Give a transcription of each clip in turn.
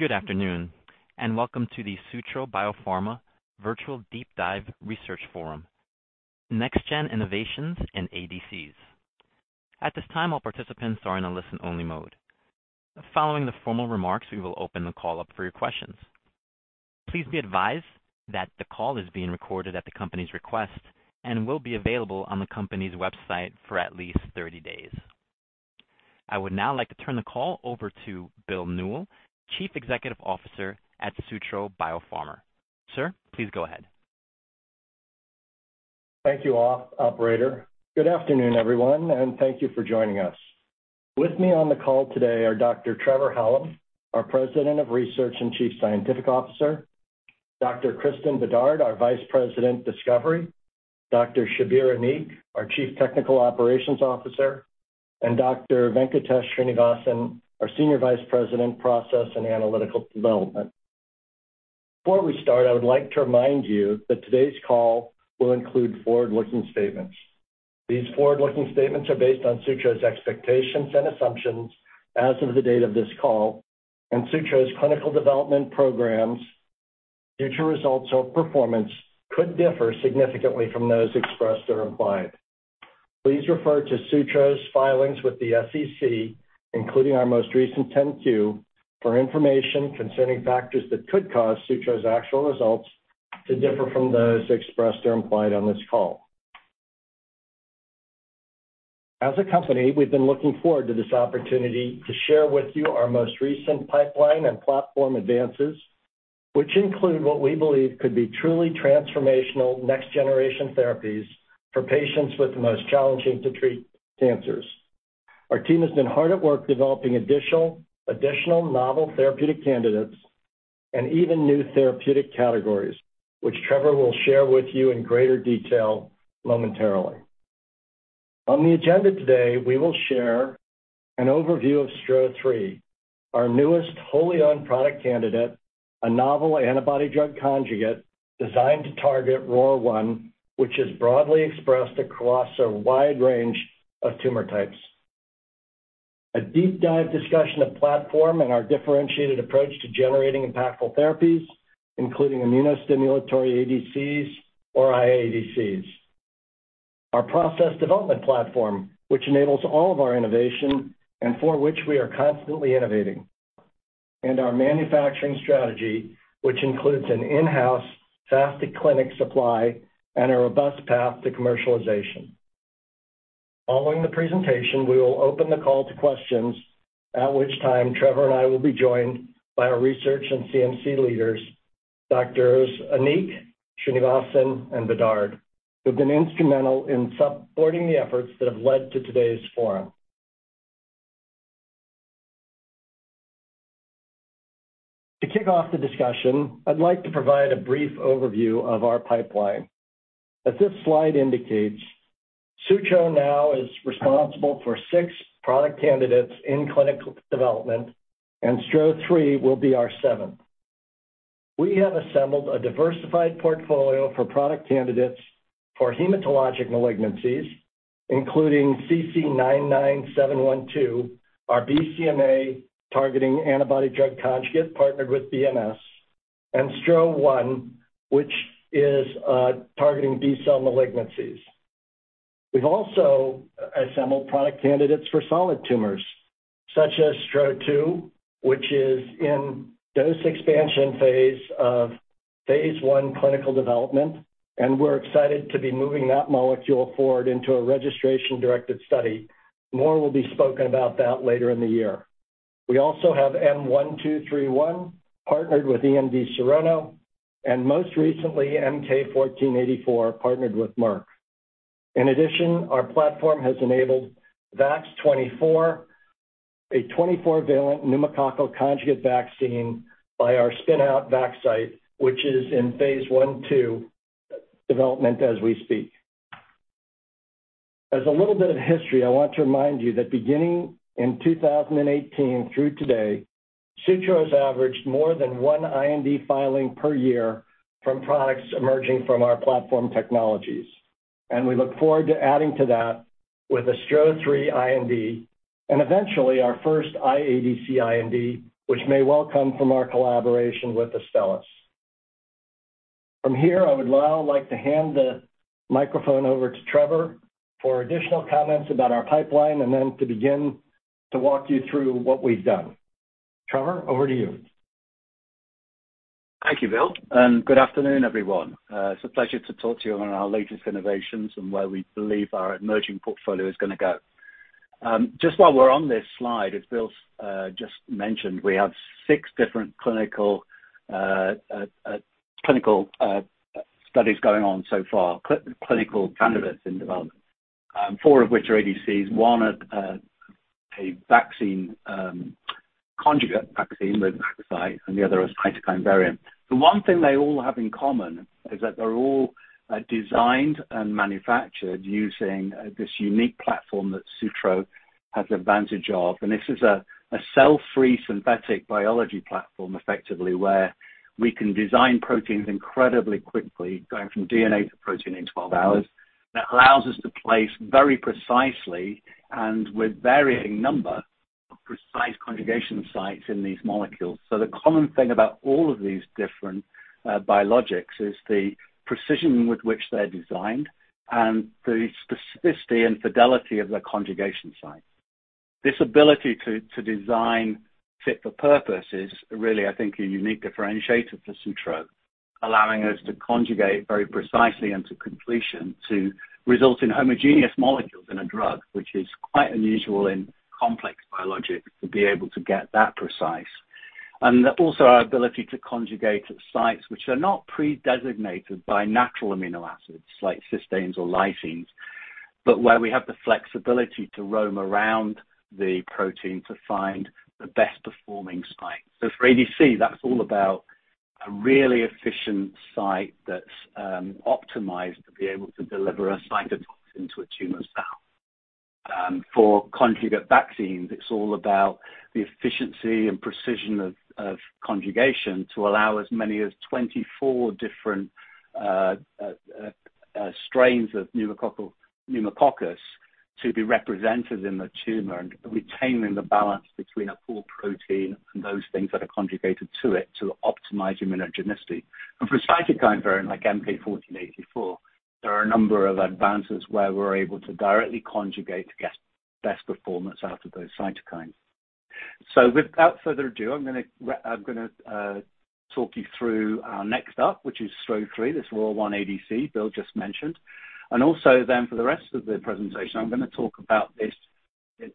Good afternoon, and welcome to the Sutro Biopharma Virtual Deep Dive Research Forum: NextGen Innovations in ADCs. At this time, all participants are in a listen-only mode. Following the formal remarks, we will open the call up for your questions. Please be advised that the call is being recorded at the company's request and will be available on the company's website for at least 30 days. I would now like to turn the call over to Bill Newell, Chief Executive Officer at Sutro Biopharma. Sir, please go ahead. Thank you, operator. Good afternoon, everyone, and thank you for joining us. With me on the call today are Dr. Trevor Hallam, our President of Research and Chief Scientific Officer, Dr. Kristin Bedard, our Vice President, Discovery, Dr. Shabir Anik, our Chief Technical Operations Officer, and Dr. Venkatesh Srinivasan, our Senior Vice President, Process and Analytical Development. Before we start, I would like to remind you that today's call will include forward-looking statements. These forward-looking statements are based on Sutro's expectations and assumptions as of the date of this call, and Sutro's clinical development programs, future results or performance could differ significantly from those expressed or implied. Please refer to Sutro's filings with the SEC, including our most recent 10-Q, for information concerning factors that could cause Sutro's actual results to differ from those expressed or implied on this call. As a company, we've been looking forward to this opportunity to share with you our most recent pipeline and platform advances, which include what we believe could be truly transformational next-generation therapies for patients with the most challenging to treat cancers. Our team has been hard at work developing additional novel therapeutic candidates and even new therapeutic categories, which Trevor will share with you in greater detail momentarily. On the agenda today, we will share an overview of STRO-003, our newest wholly owned product candidate, a novel antibody-drug conjugate designed to target ROR1, which is broadly expressed across a wide range of tumor types. A deep dive discussion of platform and our differentiated approach to generating impactful therapies, including immunostimulatory ADCs or iADCs. Our process development platform, which enables all of our innovation and for which we are constantly innovating, and our manufacturing strategy, which includes an in-house fast-to-clinic supply and a robust path to commercialization. Following the presentation, we will open the call to questions, at which time Trevor and I will be joined by our research and CMC leaders, Doctors Anik, Srinivasan, and Bedard, who have been instrumental in supporting the efforts that have led to today's forum. To kick off the discussion, I'd like to provide a brief overview of our pipeline. As this slide indicates, Sutro now is responsible for six product candidates in clinical development, and STRO-003 will be our seventh. We have assembled a diversified portfolio for product candidates for hematologic malignancies, including CC-99712, our BCMA-targeting antibody-drug conjugate partnered with BMS, and STRO-001, which is targeting B-cell malignancies. We've also assembled product candidates for solid tumors, such as STRO-002, which is in dose expansion phase of phase I clinical development, and we're excited to be moving that molecule forward into a registration-directed study. More will be spoken about that later in the year. We also have M1231, partnered with EMD Serono, and most recently, MK-1484, partnered with Merck. In addition, our platform has enabled VAX-24, a 24-valent pneumococcal conjugate vaccine by our spin-out Vaxcyte, which is in phase I/II development as we speak. As a little bit of history, I want to remind you that beginning in 2018 through today, Sutro has averaged more than one IND filing per year from products emerging from our platform technologies, and we look forward to adding to that with the STRO-003 IND and eventually our first iADC IND, which may well come from our collaboration with Astellas. From here, I would now like to hand the microphone over to Trevor for additional comments about our pipeline and then to begin to walk you through what we've done. Trevor, over to you. Thank you, Bill, and good afternoon, everyone. It's a pleasure to talk to you on our latest innovations and where we believe our emerging portfolio is gonna go. Just while we're on this slide, as Bill just mentioned, we have six different clinical studies going on so far, clinical candidates in development, four of which are ADCs, one a vaccine, conjugate vaccine with Vaxcyte, and the other a cytokine variant. The one thing they all have in common is that they're all designed and manufactured using this unique platform that Sutro has advantage of, and this is a cell-free synthetic biology platform effectively, where we can design proteins incredibly quickly, going from DNA to protein in 12 hours. That allows us to place very precisely, and with varying number precise conjugation sites in these molecules. The common thing about all of these different biologics is the precision with which they're designed and the specificity and fidelity of their conjugation site. This ability to design fit for purpose is really, I think, a unique differentiator for Sutro, allowing us to conjugate very precisely and to completion to result in homogeneous molecules in a drug, which is quite unusual in complex biologics to be able to get that precise. Also our ability to conjugate sites which are not predesignated by natural amino acids like cysteines or lysines, but where we have the flexibility to roam around the protein to find the best-performing site. For ADC, that's all about a really efficient site that's optimized to be able to deliver a cytotoxin to a tumor cell. For conjugate vaccines, it's all about the efficiency and precision of conjugation to allow as many as 24 different strains of pneumococcus to be represented in the vaccine and retaining the balance between a core protein and those things that are conjugated to it to optimize immunogenicity. For cytokine variant like MK-1484, there are a number of advances where we're able to directly conjugate to get best performance out of those cytokines. Without further ado, I'm gonna talk you through our next up, which is STRO-003, this ROR1 ADC Bill just mentioned. For the rest of the presentation, I'm gonna talk about this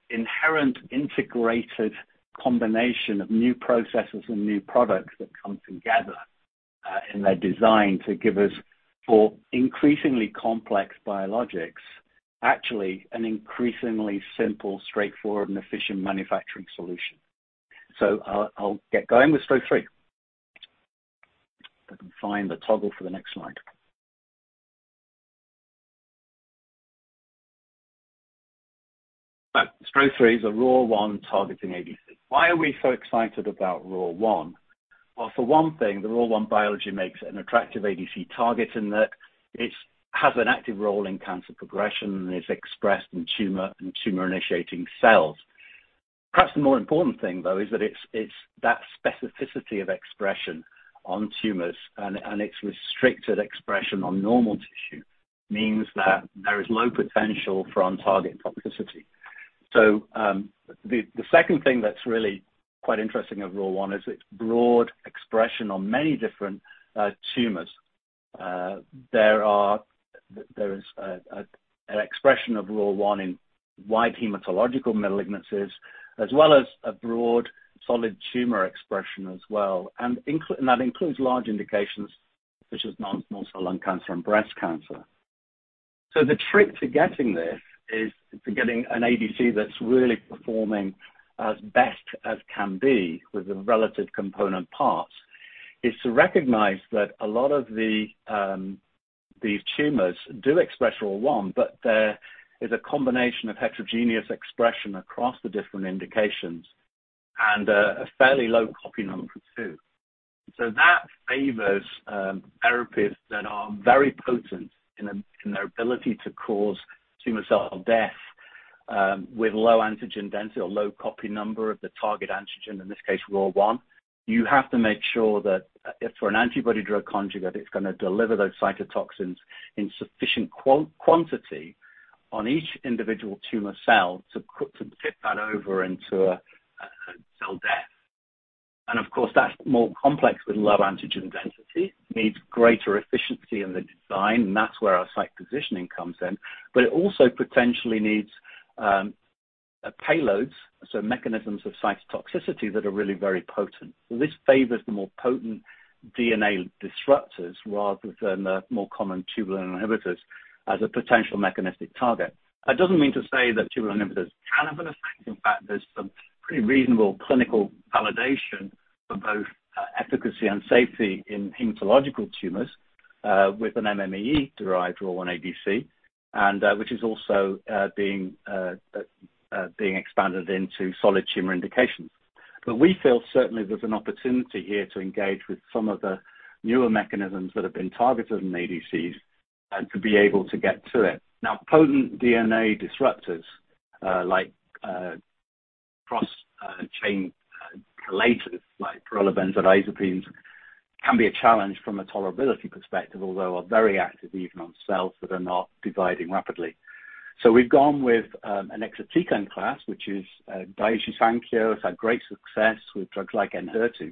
inherent integrated combination of new processes and new products that come together in their design to give us for increasingly complex biologics, actually an increasingly simple, straightforward, and efficient manufacturing solution. I'll get going with STRO-003. If I can find the toggle for the next slide. STRO-003 is a ROR1 targeting ADC. Why are we so excited about ROR1? Well, for one thing, the ROR1 biology makes an attractive ADC target in that it has an active role in cancer progression and is expressed in tumor and tumor-initiating cells. Perhaps the more important thing, though, is that it's that specificity of expression on tumors and its restricted expression on normal tissue means that there is low potential for on-target toxicity. The second thing that's really quite interesting of ROR1 is its broad expression on many different tumors. There is an expression of ROR1 in wide hematological malignancies, as well as a broad solid tumor expression as well, and that includes large indications such as non-small cell lung cancer and breast cancer. The trick to getting an ADC that's really performing as best as can be with the relative component parts is to recognize that a lot of these tumors do express ROR1, but there is a combination of heterogeneous expression across the different indications and a fairly low copy number, too. That favors therapies that are very potent in their ability to cause tumor cell death with low antigen density or low copy number of the target antigen, in this case ROR1. You have to make sure that if for an antibody-drug conjugate, it's gonna deliver those cytotoxins in sufficient quantity on each individual tumor cell to tip that over into a cell death. Of course, that's more complex with low antigen density, needs greater efficiency in the design, and that's where our site positioning comes in. It also potentially needs payloads, so mechanisms of cytotoxicity that are really very potent. This favors the more potent DNA disruptors rather than the more common tubulin inhibitors as a potential mechanistic target. That doesn't mean to say that tubulin inhibitors can have an effect. In fact, there's some pretty reasonable clinical validation for both efficacy and safety in hematologic tumors with an MMAE-derived ROR1 ADC, which is also being expanded into solid tumor indications. We certainly feel there's an opportunity here to engage with some of the newer mechanisms that have been targeted in ADCs and to be able to get to it. Now, potent DNA disruptors like crosslinkers like pyrrolobenzodiazepines can be a challenge from a tolerability perspective, although are very active even on cells that are not dividing rapidly. We've gone with an exatecan class which Daiichi Sankyo has had great success with drugs like ENHERTU,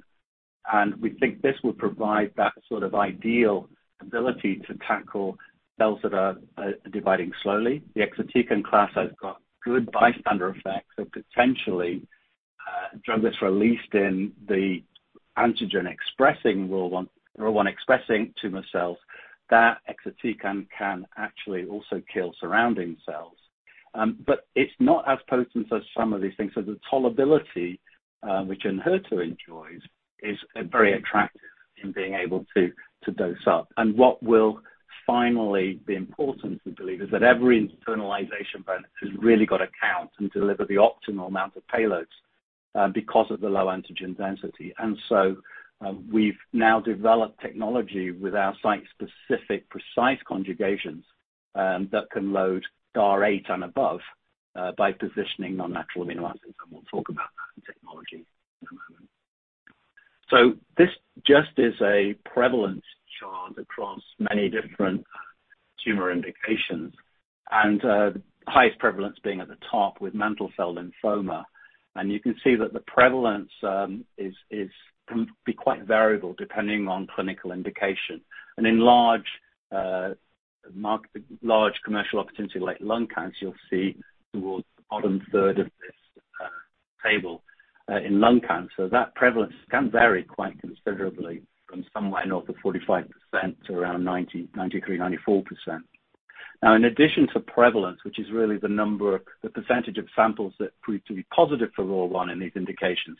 and we think this will provide that sort of ideal ability to tackle cells that are dividing slowly. The exatecan class has got good bystander effects, so potentially, drug that's released in the antigen expressing ROR1-expressing tumor cells, that exatecan can actually also kill surrounding cells. It's not as potent as some of these things. The tolerability, which ENHERTU enjoys is very attractive in being able to dose up. What will finally be important, we believe, is that every internalization event has really got to count and deliver the optimal amount of payloads, because of the low antigen density. We've now developed technology with our site-specific precise conjugations that can load DAR 8 and above, by positioning non-natural amino acids, and we'll talk about that technology in a moment. This just is a prevalence chart across many different tumor indications, and the highest prevalence being at the top with mantle cell lymphoma. You can see that the prevalence can be quite variable depending on clinical indication. In large market, large commercial opportunity like lung cancer, you'll see towards the bottom third of this table in lung cancer, that prevalence can vary quite considerably from somewhere north of 45% to around 90%, 93%, 94%. Now in addition to prevalence, which is really the number, the percentage of samples that prove to be positive for ROR1 in these indications,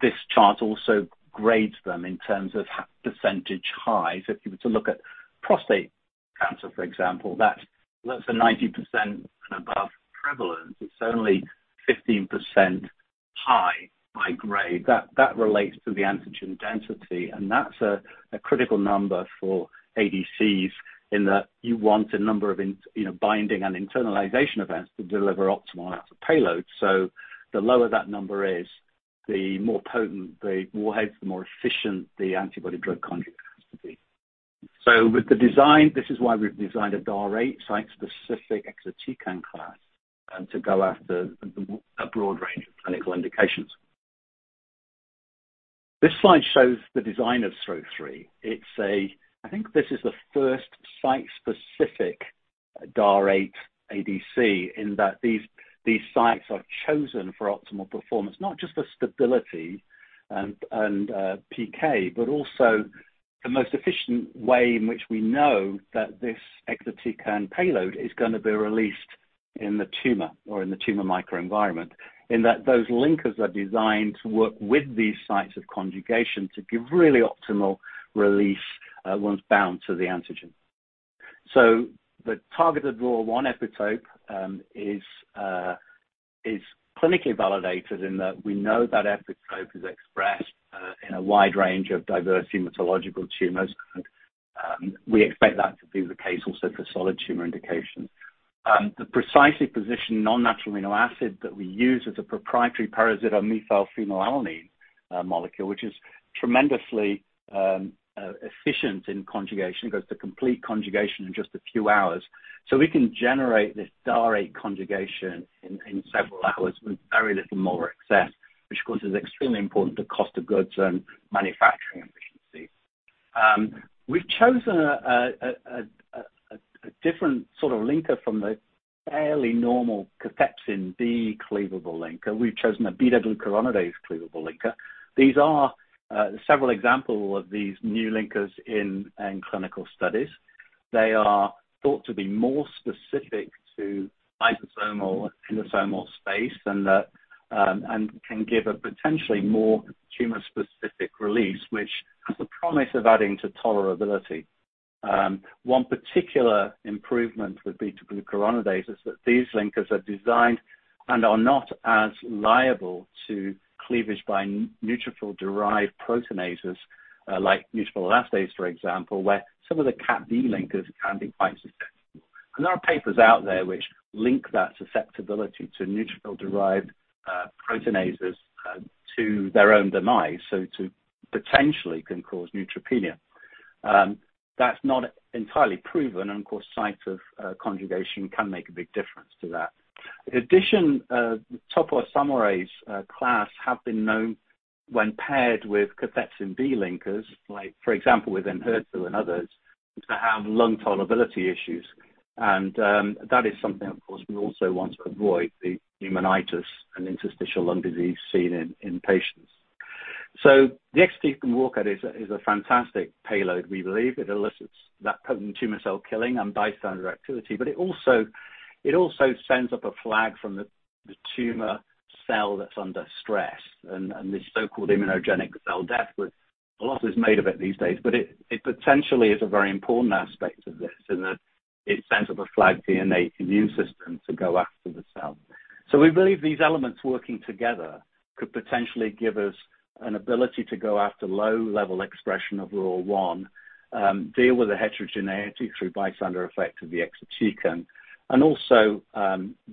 this chart also grades them in terms of percentage highs. If you were to look at prostate cancer, for example, that's a 90% and above prevalence. It's only 15% high by grade. That relates to the antigen density, and that's a critical number for ADCs in that you want a number of, you know, binding and internalization events to deliver optimal amounts of payload. The lower that number is, the more potent, the more effective, the more efficient the antibody-drug conjugate has to be. With the design, this is why we've designed a DAR 8 site-specific exatecan class to go after a broad range of clinical indications. This slide shows the design of STRO-003. It's a. I think this is the first site-specific DAR eight ADC in that these sites are chosen for optimal performance, not just for stability and PK, but also the most efficient way in which we know that this exatecan payload is gonna be released in the tumor or in the tumor microenvironment, in that those linkers are designed to work with these sites of conjugation to give really optimal release once bound to the antigen. The targeted ROR1 epitope is clinically validated in that we know that epitope is expressed in a wide range of diverse hematological tumors. We expect that to be the case also for solid tumor indications. The precisely positioned non-natural amino acid that we use as a proprietary para-azidomethyl-L-phenylalanine molecule, which is tremendously efficient in conjugation, goes to complete conjugation in just a few hours. We can generate this DAR 8 conjugation in several hours with very little molar excess, which of course is extremely important to cost of goods and manufacturing efficiency. We've chosen a different sort of linker from the fairly normal cathepsin B cleavable linker. We've chosen a beta-glucuronidase cleavable linker. These are several examples of these new linkers in clinical studies. They are thought to be more specific to lysosomal and endosomal space and can give a potentially more tumor-specific release, which has the promise of adding to tolerability. One particular improvement with beta-glucuronidase is that these linkers are designed and are not as liable to cleavage by neutrophil-derived proteinases, like neutrophil elastase, for example, where some of the CatB linkers can be quite susceptible. There are papers out there which link that susceptibility to neutrophil-derived proteinases to their own demise, so potentially can cause neutropenia. That's not entirely proven, and of course, site of conjugation can make a big difference to that. In addition, topoisomerase class have been known when paired with cathepsin B linkers, like for example, within HER2 and others, to have lung tolerability issues. That is something of course we also want to avoid, the pneumonitis and interstitial lung disease seen in patients. The exatecan warhead is a fantastic payload, we believe. It elicits that potent tumor cell killing and bystander activity, but it also sends up a flag from the tumor cell that's under stress and this so-called immunogenic cell death, which a lot is made of it these days. It potentially is a very important aspect of this in that it sends up a flag to innate immune system to go after the cell. We believe these elements working together could potentially give us an ability to go after low-level expression of ROR1, deal with the heterogeneity through bystander effect of the exatecan, and also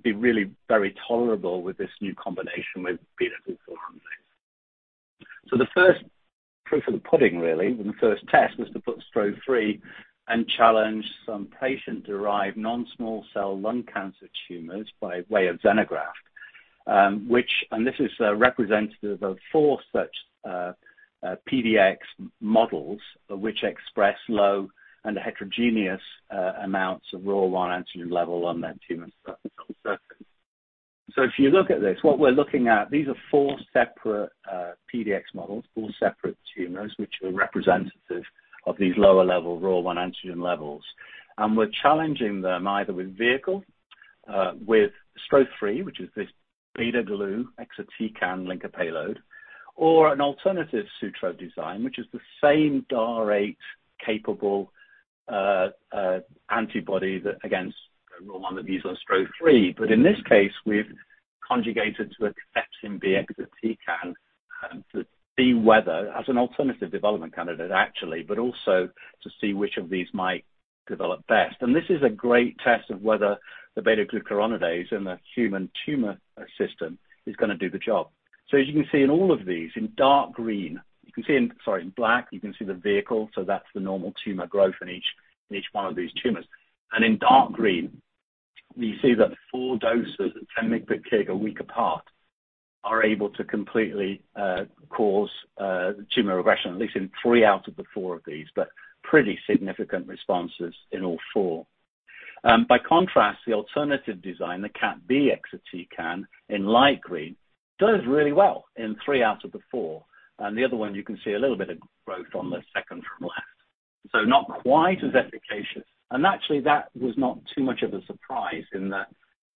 be really very tolerable with this new combination with beta-glucuronidase. The first proof of the pudding really, the first test, was to put STRO3 and challenge some patient-derived non-small cell lung cancer tumors by way of xenograft. This is representative of four such PDX models which express low and heterogeneous amounts of ROR1 antigen level on that tumor cell surface. If you look at this, what we're looking at, these are four separate PDX models, four separate tumors, which are representative of these lower-level ROR1 antigen levels. We're challenging them either with vehicle with STRO3, which is this beta-glucuronidase exatecan linker payload, or an alternative Sutro design, which is the same DAR 8 capable antibody that against ROR1 that we use on STRO3. In this case, we've conjugated to a cathepsin B exatecan, to see whether as an alternative development candidate actually, but also to see which of these might develop best. This is a great test of whether the beta-glucuronidase in the human tumor system is gonna do the job. As you can see in all of these, in black, you can see the vehicle, so that's the normal tumor growth in each one of these tumors. In dark green, you see that four doses at 10 mg per kg a week apart are able to completely cause tumor regression, at least in three out of the four of these, but pretty significant responses in all four. By contrast, the alternative design, the CatB exatecan in light green, does really well in three out of the four. The other one, you can see a little bit of growth on the second from left. Not quite as efficacious. Actually, that was not too much of a surprise in that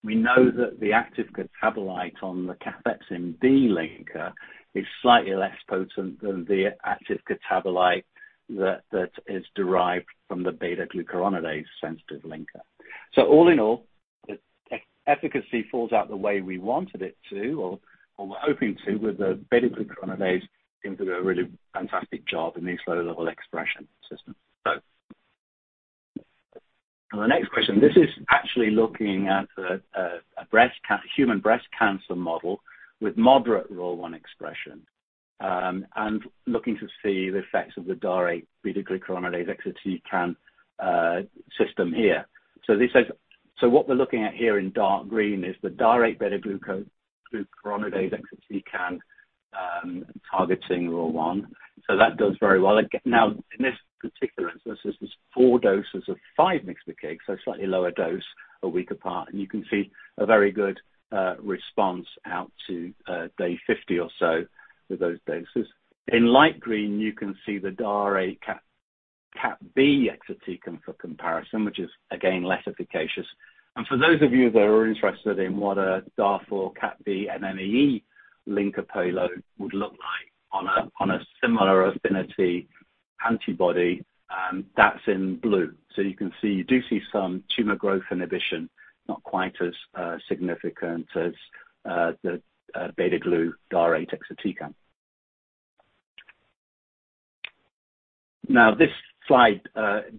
we know that the active catabolite on the cathepsin B linker is slightly less potent than the active catabolite that is derived from the beta-glucuronidase sensitive linker. All in all, the efficacy falls out the way we wanted it to or were hoping to, with the beta-glucuronidase seems to do a really fantastic job in these low-level expression systems. On the next question, this is actually looking at a human breast cancer model with moderate ROR1 expression, and looking to see the effects of the DAR8 beta-glucuronidase exatecan system here. What we're looking at here in dark green is the DAR8 beta-glucuronidase exatecan targeting ROR1. That does very well. Now, in this particular instance, this is four doses of 5 mg per kg, so slightly lower dose a week apart. You can see a very good response out to day 50 or so with those doses. In light green, you can see the DAR4 CatB exatecan for comparison, which is again, less efficacious. For those of you that are interested in what a DAR4 or CatB MMAE linker payload would look like on a similar affinity antibody, that's in blue. You can see, you do see some tumor growth inhibition, not quite as significant as the beta-glu DAR4 exatecan. This slide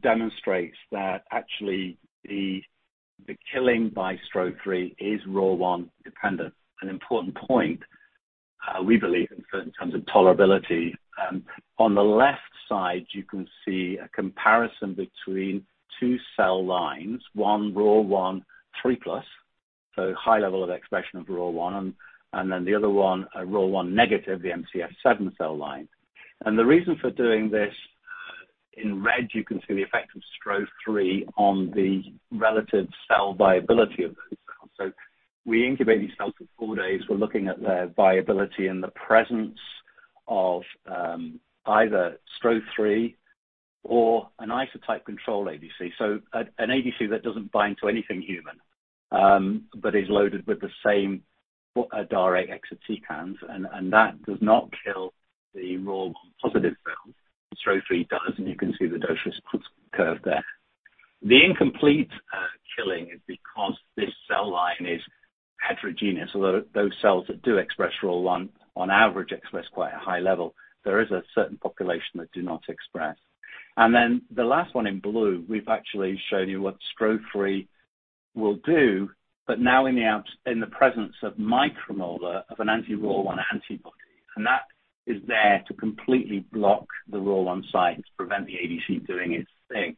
demonstrates that actually the killing by STRO-003 is ROR1 dependent, an important point, we believe in terms of tolerability. On the left side, you can see a comparison between two cell lines, one ROR1 3+, so high level of expression of ROR1, and then the other one, a ROR1 negative, the MCF7 cell line. The reason for doing this, in red, you can see the effect of STRO-003 on the relative cell viability of those cells. We incubate these cells for four days. We're looking at their viability in the presence of either STRO-003 or an isotype control ADC. An ADC that doesn't bind to anything human, but is loaded with the same DAR exatecan. That does not kill the ROR1 positive cells. STRO-003 does, and you can see the dosage curve there. The incomplete killing is because this cell line is heterogeneous, although those cells that do express ROR1 on average express quite a high level, there is a certain population that do not express. The last one in blue, we've actually shown you what STRO-003 will do, but now in the presence of micromolar of an anti-ROR1 antibody, and that is there to completely block the ROR1 site to prevent the ADC doing its thing.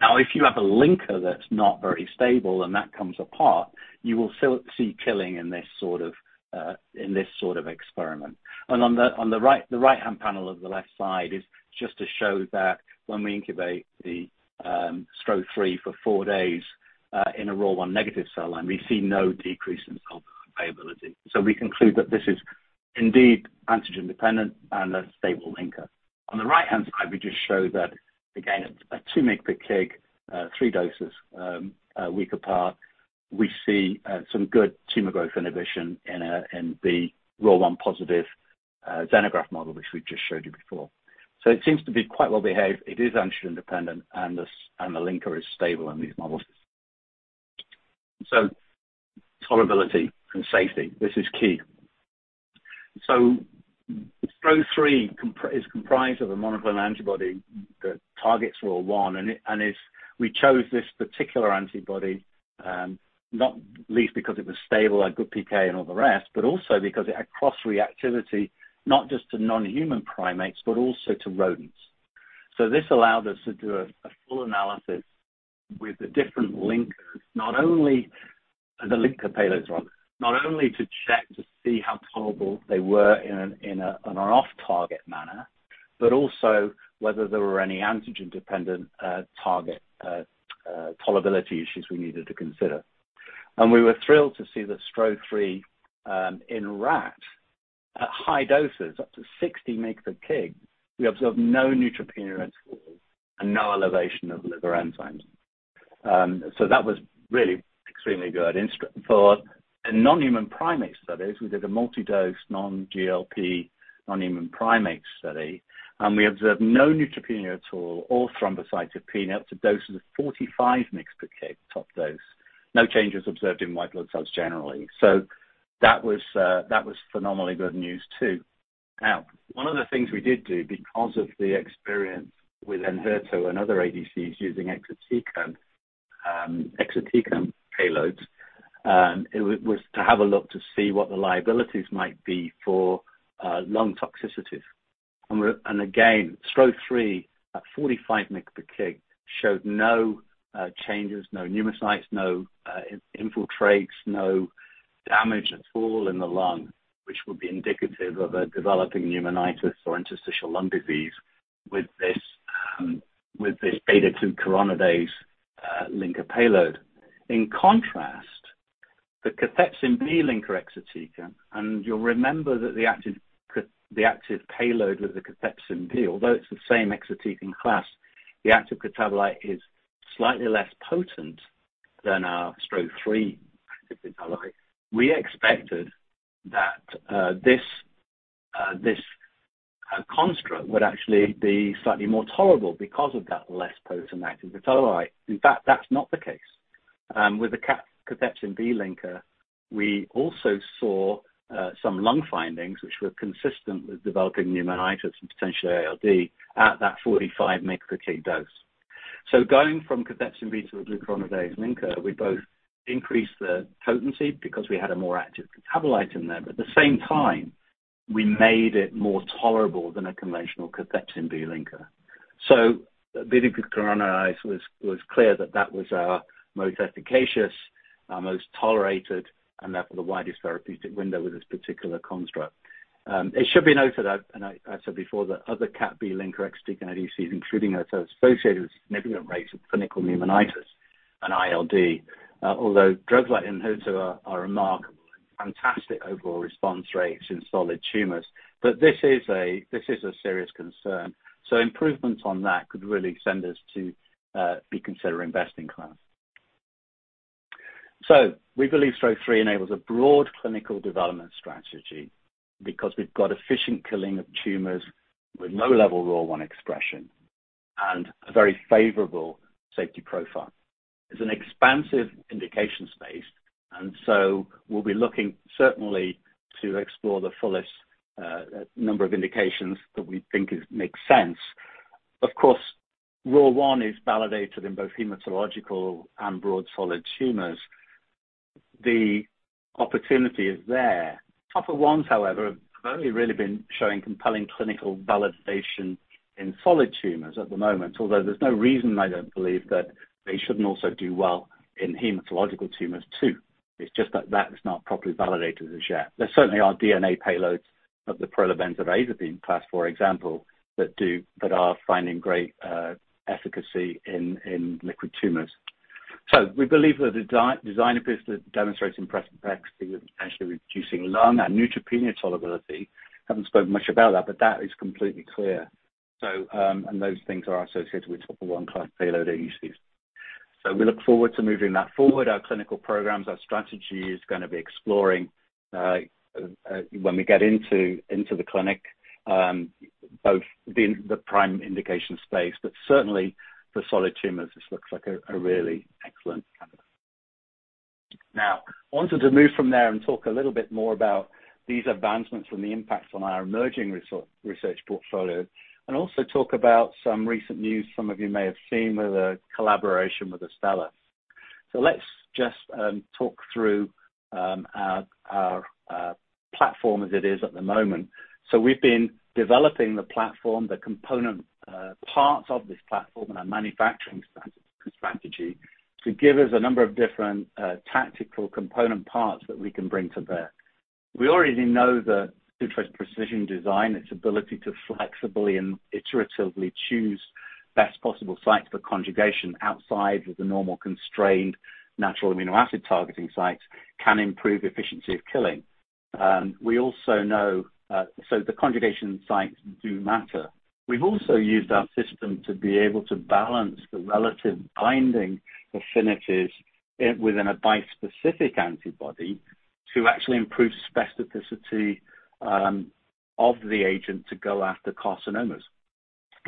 Now, if you have a linker that's not very stable and that comes apart, you will still see killing in this sort of experiment. On the right, the right-hand panel of the left side is just to show that when we incubate the STRO-003 for four days in a ROR1 negative cell line, we see no decrease in cell viability. We conclude that this is indeed antigen dependent and a stable linker. On the right-hand side, we just show that again, at 2 mg per kg, three doses, a week apart, we see some good tumor growth inhibition in a, in the ROR1 positive, xenograft model, which we just showed you before. It seems to be quite well behaved. It is antigen dependent and the linker is stable in these models. Tolerability and safety, this is key. STRO-003 is comprised of a monoclonal antibody that targets ROR1, and we chose this particular antibody, not least because it was stable and good PK and all the rest, but also because it had cross-reactivity, not just to non-human primates, but also to rodents. This allowed us to do a full analysis with the different linkers, not only to check to see how tolerable they were in an off-target manner, but also whether there were any antigen-dependent target tolerability issues we needed to consider. We were thrilled to see that STRO-003 in rat at high doses, up to 60 mg per kg, we observed no neutropenia at all and no elevation of liver enzymes. That was really extremely good for non-human primate studies. We did a multi-dose non-GLP non-human primate study, and we observed no neutropenia at all or thrombocytopenia up to doses of 45 mg per kg top dose. No changes observed in white blood cells generally. That was phenomenally good news too. Now, one of the things we did do because of the experience with ENHERTU and other ADCs using exatecan payloads, it was to have a look to see what the liabilities might be for lung toxicities. Again, STRO-003 at 45 mg/kg showed no changes, no pneumocytes, no infiltrates, no damage at all in the lung, which would be indicative of a developing pneumonitis or interstitial lung disease with this β-glucuronidase linker payload. In contrast, the cathepsin B linker exatecan, and you'll remember that the active payload of the cathepsin B, although it's the same exatecan class, the active metabolite is slightly less potent than our STRO-003 active metabolite. We expected that this construct would actually be slightly more tolerable because of that less potent active metabolite. In fact, that's not the case. With the cathepsin B linker, we also saw some lung findings which were consistent with developing pneumonitis and potentially ILD at that 45 mg/kg dose. Going from cathepsin B to a glucuronidase linker, we both increased the potency because we had a more active metabolite in there, but at the same time, we made it more tolerable than a conventional cathepsin B linker. Beta-glucuronidase was clear that that was our most efficacious, our most tolerated, and therefore, the widest therapeutic window with this particular construct. It should be noted I said before, the other CatB linker exatecan ADCs, including ENHERTU, associated with significant rates of clinical pneumonitis and ILD. Although drugs like ENHERTU are remarkable and fantastic overall response rates in solid tumors, but this is a serious concern. Improvements on that could really extend us to be considered best in class. We believe STRO-003 enables a broad clinical development strategy because we've got efficient killing of tumors with low-level ROR1 expression and a very favorable safety profile. It's an expansive indication space, and so we'll be looking certainly to explore the fullest number of indications that we think makes sense. Of course, ROR1 is validated in both hematological and broad solid tumors. The opportunity is there. TOP1s, however, have only really been showing compelling clinical validation in solid tumors at the moment, although there's no reason I don't believe that they shouldn't also do well in hematological tumors too. It's just that that's not properly validated as yet. There certainly are DNA payloads of the pyrrolobenzodiazepine class, for example, that are finding great efficacy in liquid tumors. We believe that the dual design of this that demonstrates impressive activity with potentially reduced lung and neutropenia tolerability. Haven't spoken much about that, but that is completely clear. Those things are associated with TOP1 class payload ADCs. We look forward to moving that forward. Our clinical programs, our strategy is gonna be exploring when we get into the clinic both the prime indication space, but certainly for solid tumors, this looks like a really excellent candidate. Now, I wanted to move from there and talk a little bit more about these advancements from the impacts on our emerging research portfolio, and also talk about some recent news some of you may have seen with a collaboration with Astellas. Let's just talk through our platform as it is at the moment. We've been developing the platform, the component, parts of this platform and our manufacturing strategy to give us a number of different, tactical component parts that we can bring to bear. We already know that Sutro's precision design, its ability to flexibly and iteratively choose best possible sites for conjugation outside of the normal constrained natural amino acid targeting sites, can improve efficiency of killing. We also know the conjugation sites do matter. We've also used our system to be able to balance the relative binding affinities, within a bispecific antibody to actually improve specificity, of the agent to go after carcinomas.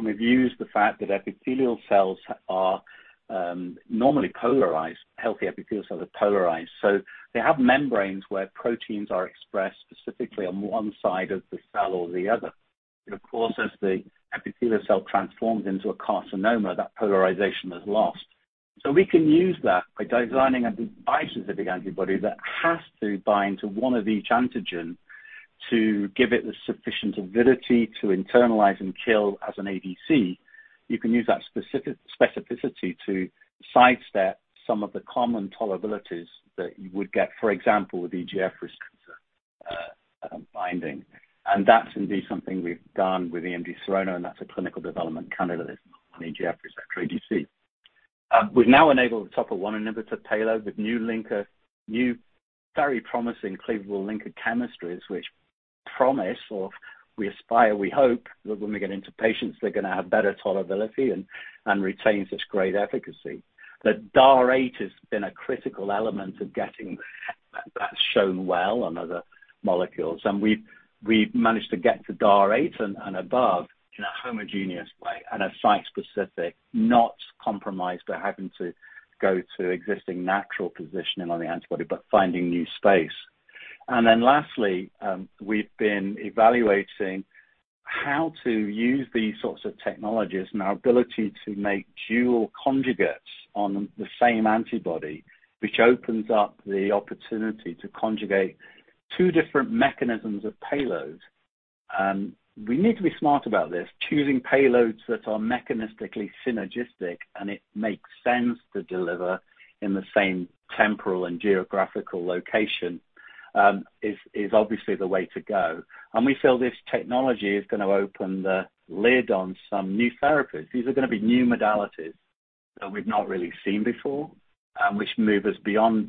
We've used the fact that epithelial cells are normally polarized, healthy epithelial cells are polarized. They have membranes where proteins are expressed specifically on one side of the cell or the other. Of course, as the epithelial cell transforms into a carcinoma, that polarization is lost. We can use that by designing a bispecific antibody that has to bind to one of each antigen to give it the sufficient avidity to internalize and kill as an ADC. You can use that specificity to sidestep some of the common tolerabilities that you would get, for example, with EGF receptor binding. That's indeed something we've done with EMD Serono, and that's a clinical development candidate that's an EGF receptor ADC. We've now enabled the TOP1 inhibitor payload with new linker, new very promising cleavable linker chemistries, which promise or we aspire, we hope that when we get into patients, they're gonna have better tolerability and retains this great efficacy. The DAR 8 has been a critical element of getting shown well on other molecules. We've managed to get to DAR 8 and above in a homogeneous way and a site-specific, not compromised by having to go to existing natural positioning on the antibody, but finding new space. Lastly, we've been evaluating how to use these sorts of technologies and our ability to make dual conjugates on the same antibody, which opens up the opportunity to conjugate two different mechanisms of payload. We need to be smart about this. Choosing payloads that are mechanistically synergistic, and it makes sense to deliver in the same temporal and geographical location, is obviously the way to go. We feel this technology is gonna open the lid on some new therapies. These are gonna be new modalities that we've not really seen before, which move us beyond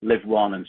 best-in-class.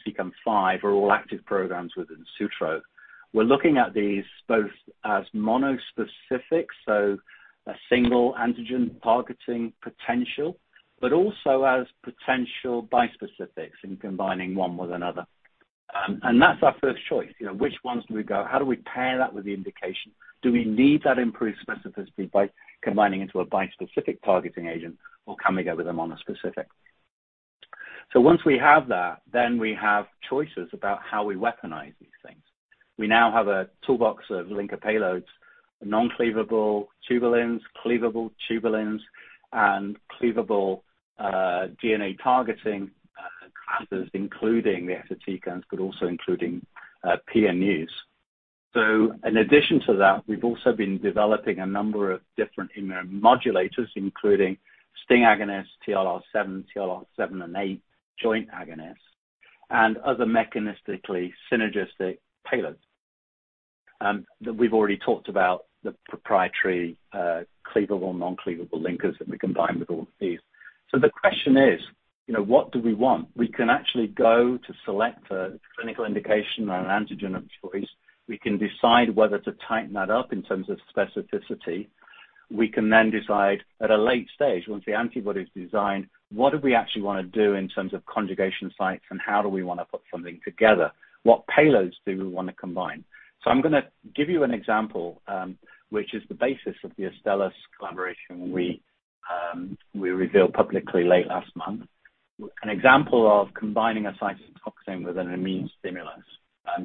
An example of combining a cytotoxic with an immune stimulus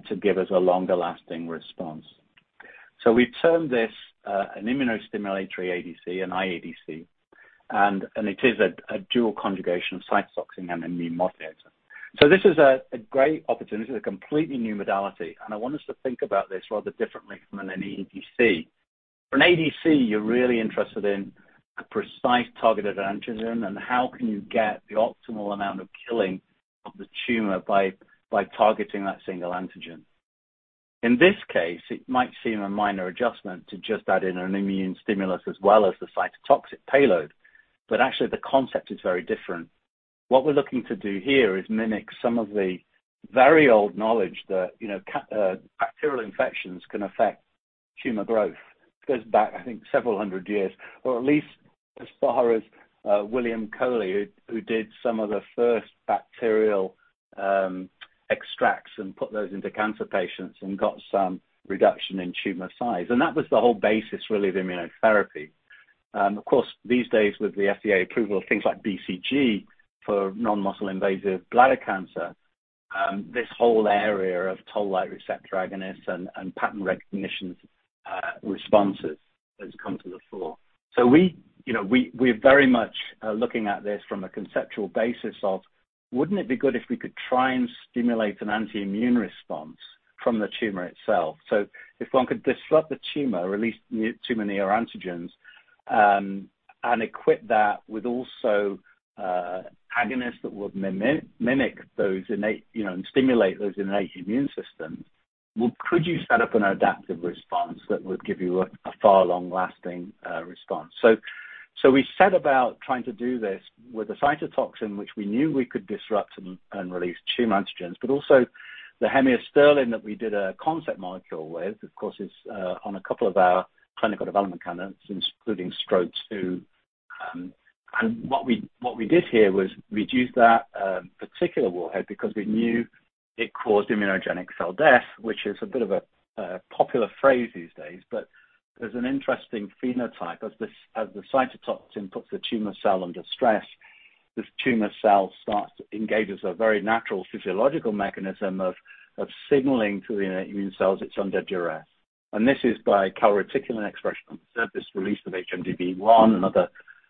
to give us a longer-lasting response. We've termed this an immunostimulatory ADC, an IADC, and it is a dual conjugation of cytotoxic and immune modulator. This is a great opportunity. This is a completely new modality, and I want us to think about this rather differently from an ADC. For an ADC, you're really interested in a precise targeted antigen and how can you get the optimal amount of killing of the tumor by targeting that single antigen. In this case, it might seem a minor adjustment to just add in an immune stimulus as well as the cytotoxic payload, but actually the concept is very different. What we're looking to do here is mimic some of the very old knowledge that, you know, bacterial infections can affect tumor growth. It goes back, I think, several hundred years, or at least as far as William Coley, who did some of the first bacterial extracts and put those into cancer patients and got some reduction in tumor size. That was the whole basis really of immunotherapy. Of course, these days with the FDA approval of things like BCG for non-muscle invasive bladder cancer, this whole area of toll-like receptor agonists and pattern recognition receptors has come to the fore. We, you know, we're very much looking at this from a conceptual basis of, wouldn't it be good if we could try and stimulate an antitumor immune response from the tumor itself? If one could disrupt the tumor, release tumor neo-antigens, and equip that with also agonists that would mimic those innate, you know, and stimulate those innate immune systems, could you set up an adaptive response that would give you a far long-lasting response? We set about trying to do this with a cytotoxin, which we knew we could disrupt and release tumor antigens, but also the hemiasterlin that we did a concept molecule with, of course, is on a couple of our clinical development candidates, including STRO-002. What we did here was we'd use that particular warhead because we knew it caused immunogenic cell death, which is a bit of a popular phrase these days. There's an interesting phenotype as the cytotoxin puts the tumor cell under stress, this tumor cell starts to engage as a very natural physiological mechanism of signaling to the immune cells it's under duress. This is by calreticulin expression on the surface release of HMGB1 and other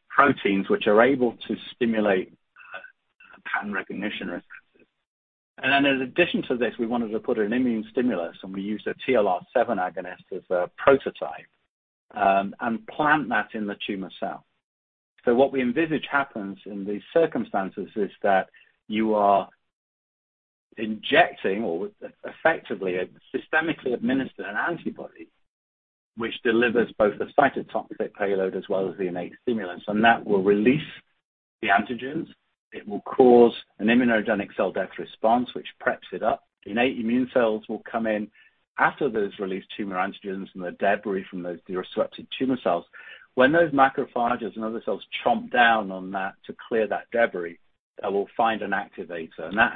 proteins which are able to stimulate pattern recognition responses. In addition to this, we wanted to put an immune stimulus, and we used a TLR7 agonist as a prototype, and plant that in the tumor cell. What we envisage happens in these circumstances is that you are injecting or effectively systemically administer an antibody which delivers both the cytotoxic payload as well as the innate stimulus. That will release the antigens, it will cause an immunogenic cell death response, which preps it up. Innate immune cells will come in after those released tumor antigens and the debris from those disrupted tumor cells. When those macrophages and other cells chomp down on that to clear that debris, they will find an activator, and that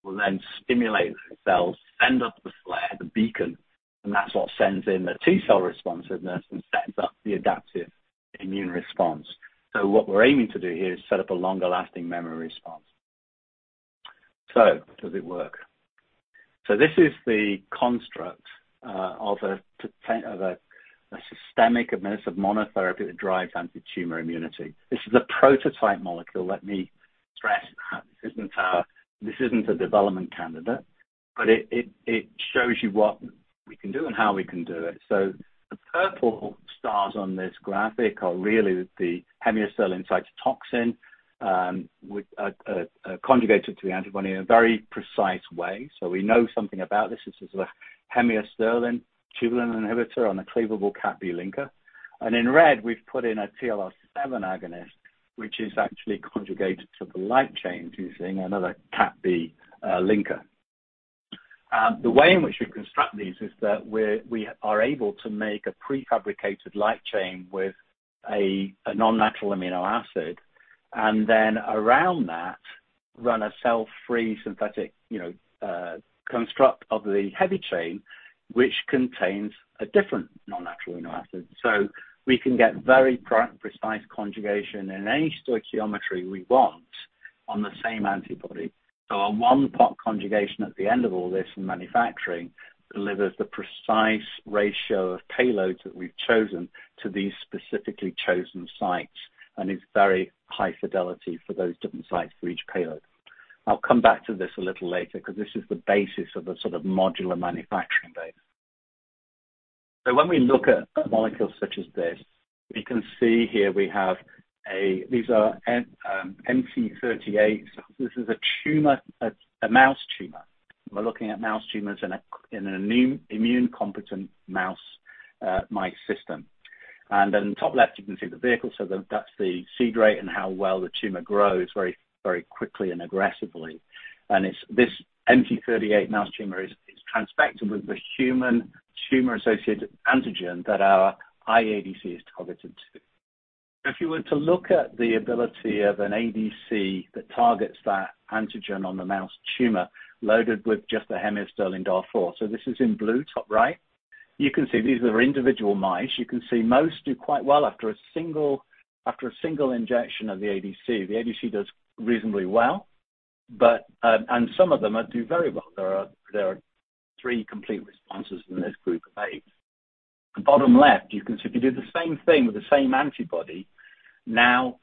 activator will then stimulate the cells, send up the flare, the beacon, and that's what sends in the T cell responsiveness and sets up the adaptive immune response. What we're aiming to do here is set up a longer-lasting memory response. Does it work? This is the construct of a systemic administered monotherapy that drives antitumor immunity. This is a prototype molecule. Let me stress that this isn't a development candidate, but it shows you what we can do and how we can do it. The purple stars on this graphic are really the hemiasterlin cytotoxin with a conjugated to the antibody in a very precise way. We know something about this. This is a hemiasterlin tubulin inhibitor on a cleavable CatB linker. In red we've put in a TLR7 agonist, which is actually conjugated to the light chain using another CatB linker. The way in which we construct these is that we are able to make a prefabricated light chain with a non-natural amino acid, and then around that, run a cell-free synthetic construct of the heavy chain, which contains a different non-natural amino acid. We can get very precise conjugation in any stoichiometry we want on the same antibody. A one-pot conjugation at the end of all this in manufacturing delivers the precise ratio of payloads that we've chosen to these specifically chosen sites, and it's very high fidelity for those different sites for each payload. I'll come back to this a little later 'cause this is the basis of a sort of modular manufacturing base. When we look at molecules such as this, we can see here we have MC38. This is a tumor, a mouse tumor. We're looking at mouse tumors in an immunocompetent mouse/mice system. In the top left you can see the vehicle. That's the seeding rate and how well the tumor grows very, very quickly and aggressively. It's this MC38 mouse tumor is transfected with the human tumor-associated antigen that our IADC is targeted to. If you were to look at the ability of an ADC that targets that antigen on the mouse tumor loaded with just the hemiasterlin DAR4, so this is in blue, top right, you can see these are individual mice. You can see most do quite well after a single injection of the ADC. The ADC does reasonably well, but and some of them do very well. There are three complete responses in this group of eight. The bottom left, you can see if you do the same thing with the same antibody now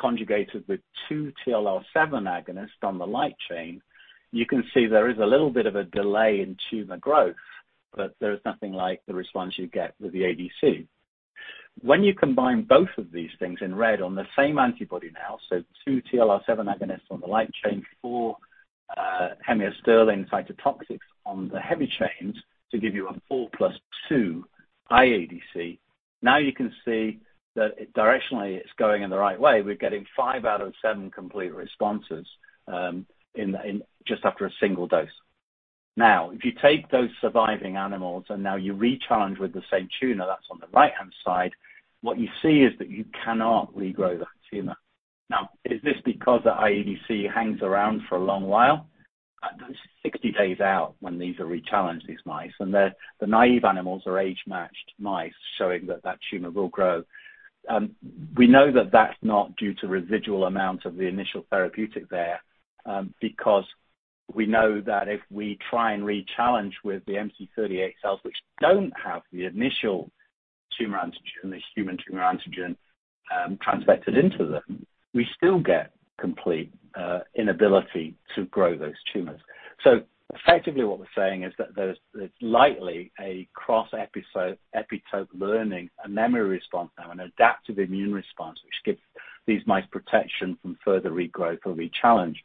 conjugated with two TLR7 agonist on the light chain, you can see there is a little bit of a delay in tumor growth, but there's nothing like the response you get with the ADC. When you combine both of these things in red on the same antibody now, so 2 TLR7 agonists on the light chain, 4 hemiasterlin cytotoxics on the heavy chains to give you a 4 plus 2 iADC. Now you can see that directionally it's going in the right way. We're getting five out of seven complete responses in just after a single dose. Now, if you take those surviving animals and now you re-challenge with the same tumor that's on the right-hand side, what you see is that you cannot regrow that tumor. Now, is this because the iADC hangs around for a long while? This is 60 days out when these are re-challenged, these mice, and the naive animals are age-matched mice showing that that tumor will grow. We know that that's not due to residual amount of the initial therapeutic there, because we know that if we try and re-challenge with the MC38 cells which don't have the initial tumor antigen, this human tumor antigen, transfected into them, we still get complete inability to grow those tumors. Effectively what we're saying is that there's likely a cross-epitope learning, a memory response now, an adaptive immune response, which gives these mice protection from further regrowth or re-challenge.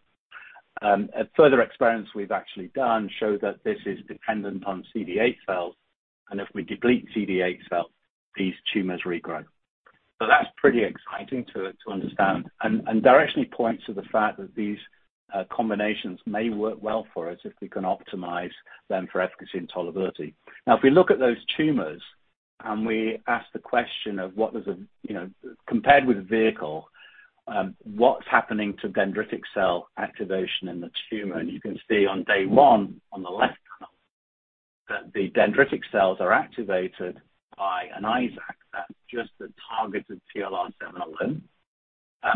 Further experiments we've actually done show that this is dependent on CD8 cells, and if we deplete CD8 cells, these tumors regrow. That's pretty exciting to understand and directionally points to the fact that these combinations may work well for us if we can optimize them for efficacy and tolerability. Now, if we look at those tumors, and we ask the question of what was the, you know, compared with the vehicle, what's happening to dendritic cell activation in the tumor? You can see on day 1, on the left panel, that the dendritic cells are activated by an ISAC that just targets the TLR7 alone,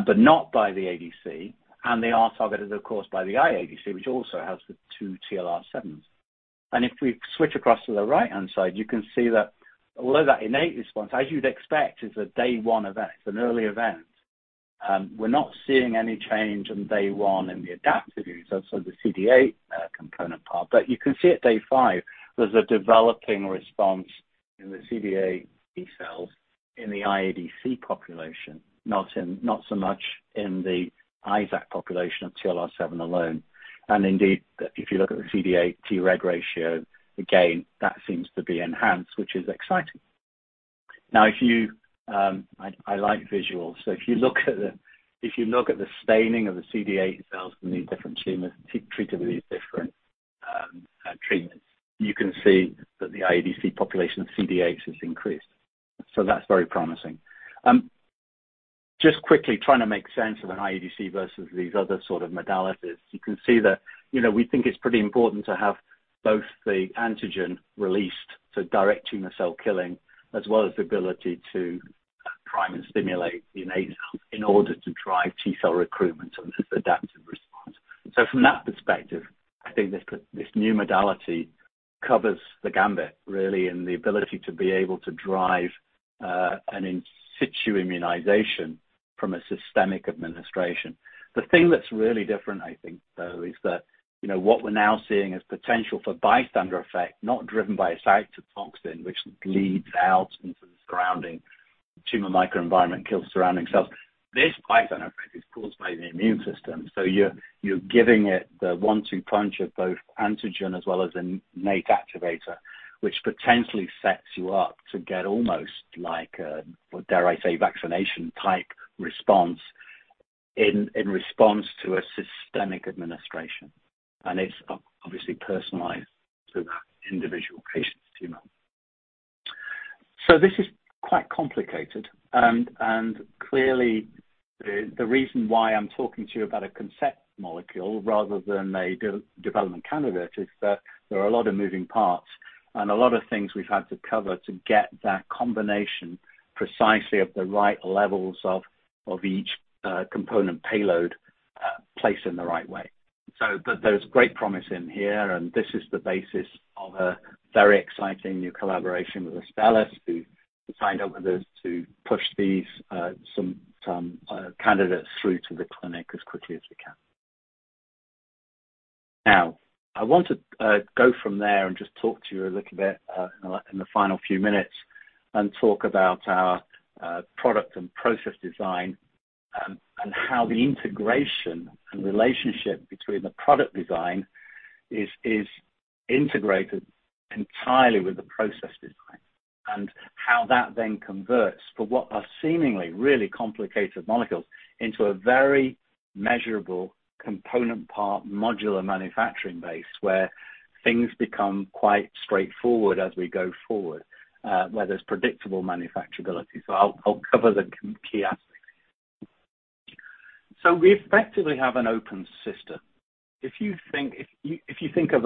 but not by the ADC. They are targeted, of course, by the IADC, which also has the 2 TLR7s. If we switch across to the right-hand side, you can see that although that innate response, as you'd expect, is a day 1 event, it's an early event, we're not seeing any change on day 1 in the adaptive immune, so the CD8 component part. You can see at day five, there's a developing response in the CD8 T cells in the IADC population, not in, not so much in the ISAC population of TLR7 alone. Indeed, if you look at the CD8 Treg ratio, again, that seems to be enhanced, which is exciting. Now I like visuals, so if you look at the staining of the CD8 cells from these different tumors treated with these different treatments, you can see that the IADC population of CD8s has increased. That's very promising. Just quickly trying to make sense of an IADC versus these other sort of modalities. You can see that, you know, we think it's pretty important to have both the antigen released, so direct tumor cell killing, as well as the ability to prime and stimulate the innate cells in order to drive T cell recruitment and this adaptive response. From that perspective, I think this new modality covers the gamut really, and the ability to be able to drive an in situ immunization from a systemic administration. The thing that's really different, I think, though, is that, you know, what we're now seeing is potential for bystander effect, not driven by a cytotoxin, which bleeds out into the surrounding tumor microenvironment, kills surrounding cells. This bystander effect is caused by the immune system, so you're giving it the one-two punch of both antigen as well as an innate activator, which potentially sets you up to get almost like a, dare I say, vaccination-type response in response to a systemic administration. It's obviously personalized to that individual patient's tumor. This is quite complicated, and clearly the reason why I'm talking to you about a concept molecule rather than a development candidate is that there are a lot of moving parts and a lot of things we've had to cover to get that combination precisely at the right levels of each component payload placed in the right way. But there's great promise in here, and this is the basis of a very exciting new collaboration with Astellas, who've signed up with us to push these some candidates through to the clinic as quickly as we can. Now, I want to go from there and just talk to you a little bit in the final few minutes and talk about our product and process design, and how the integration and relationship between the product design is integrated entirely with the process design. How that then converts for what are seemingly really complicated molecules into a very measurable component part modular manufacturing base where things become quite straightforward as we go forward, where there's predictable manufacturability. I'll cover the key aspects. We effectively have an open system. If you think of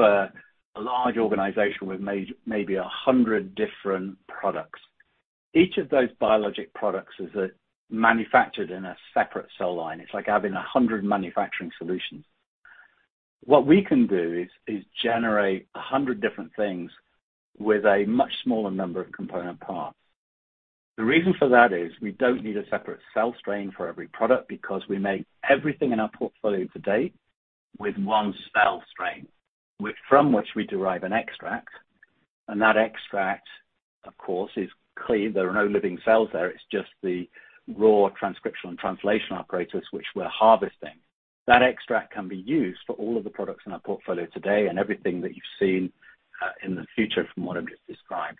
a large organization with maybe 100 different products, each of those biologic products is manufactured in a separate cell line. It's like having 100 manufacturing solutions. What we can do is generate 100 different things with a much smaller number of component parts. The reason for that is we don't need a separate cell strain for every product because we make everything in our portfolio to date with one cell strain, from which we derive an extract. That extract, of course, is clear. There are no living cells there. It's just the raw transcriptional and translational operators, which we're harvesting. That extract can be used for all of the products in our portfolio today and everything that you've seen in the future from what I've just described.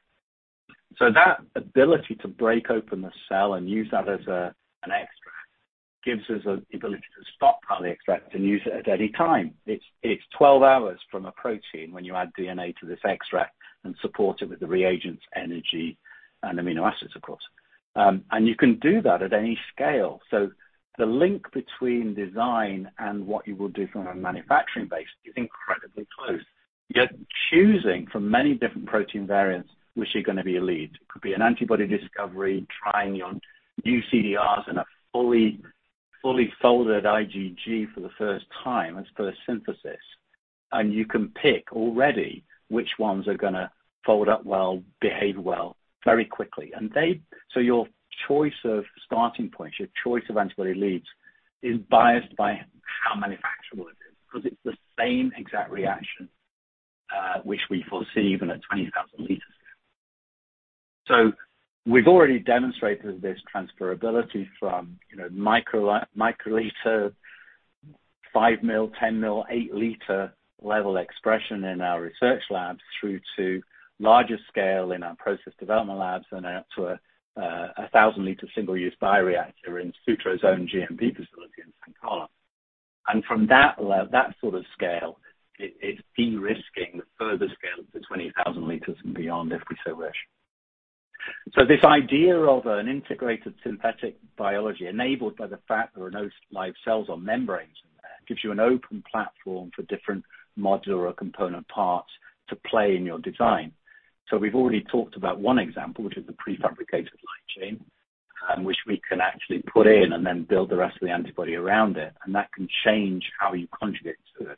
That ability to break open the cell and use that as an extract gives us an ability to stockpile extract and use it at any time. It's 12 hours from a protein when you add DNA to this extract and support it with the reagents, energy and amino acids, of course. You can do that at any scale. The link between design and what you will do from a manufacturing base is incredibly close. You're choosing from many different protein variants which are gonna be a lead. It could be an antibody discovery, trying your new CDRs in a fully folded IgG for the first time as per synthesis. You can pick already which ones are gonna fold up well, behave well, very quickly. Your choice of starting points, your choice of antibody leads is biased by how manufacturable it is because it's the same exact reaction, which we foresee even at 20,000 liters scale. We've already demonstrated this transferability from, you know, microliter, 5 ml, 10 ml, 8-liter level expression in our research labs through to larger scale in our process development labs and out to a 1,000-liter single-use bioreactor in Sutro's own GMP facility in San Carlos. From that sort of scale, it's de-risking the further scale to 20,000 liters and beyond if we so wish. This idea of an integrated synthetic biology enabled by the fact there are no live cells or membranes in there gives you an open platform for different modular component parts to play in your design. We've already talked about one example, which is the prefabricated light chain, which we can actually put in and then build the rest of the antibody around it, and that can change how you conjugate to it.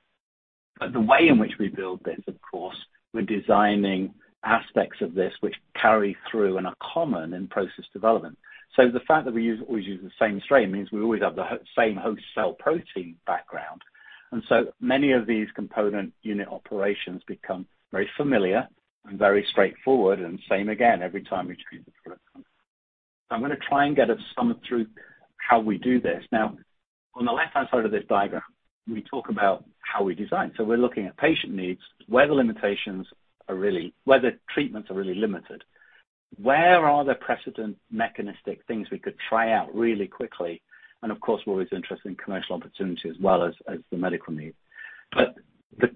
The way in which we build this, of course, we're designing aspects of this which carry through and are common in process development. The fact that we always use the same strain means we always have the same host cell protein background. Many of these component unit operations become very familiar and very straightforward and same again every time we change the product. I'm gonna try and run through how we do this. Now, on the left-hand side of this diagram, we talk about how we design. We're looking at patient needs, where the limitations are really. where the treatments are really limited. Where are the precedent mechanistic things we could try out really quickly? Of course, we're always interested in commercial opportunity as well as the medical need. The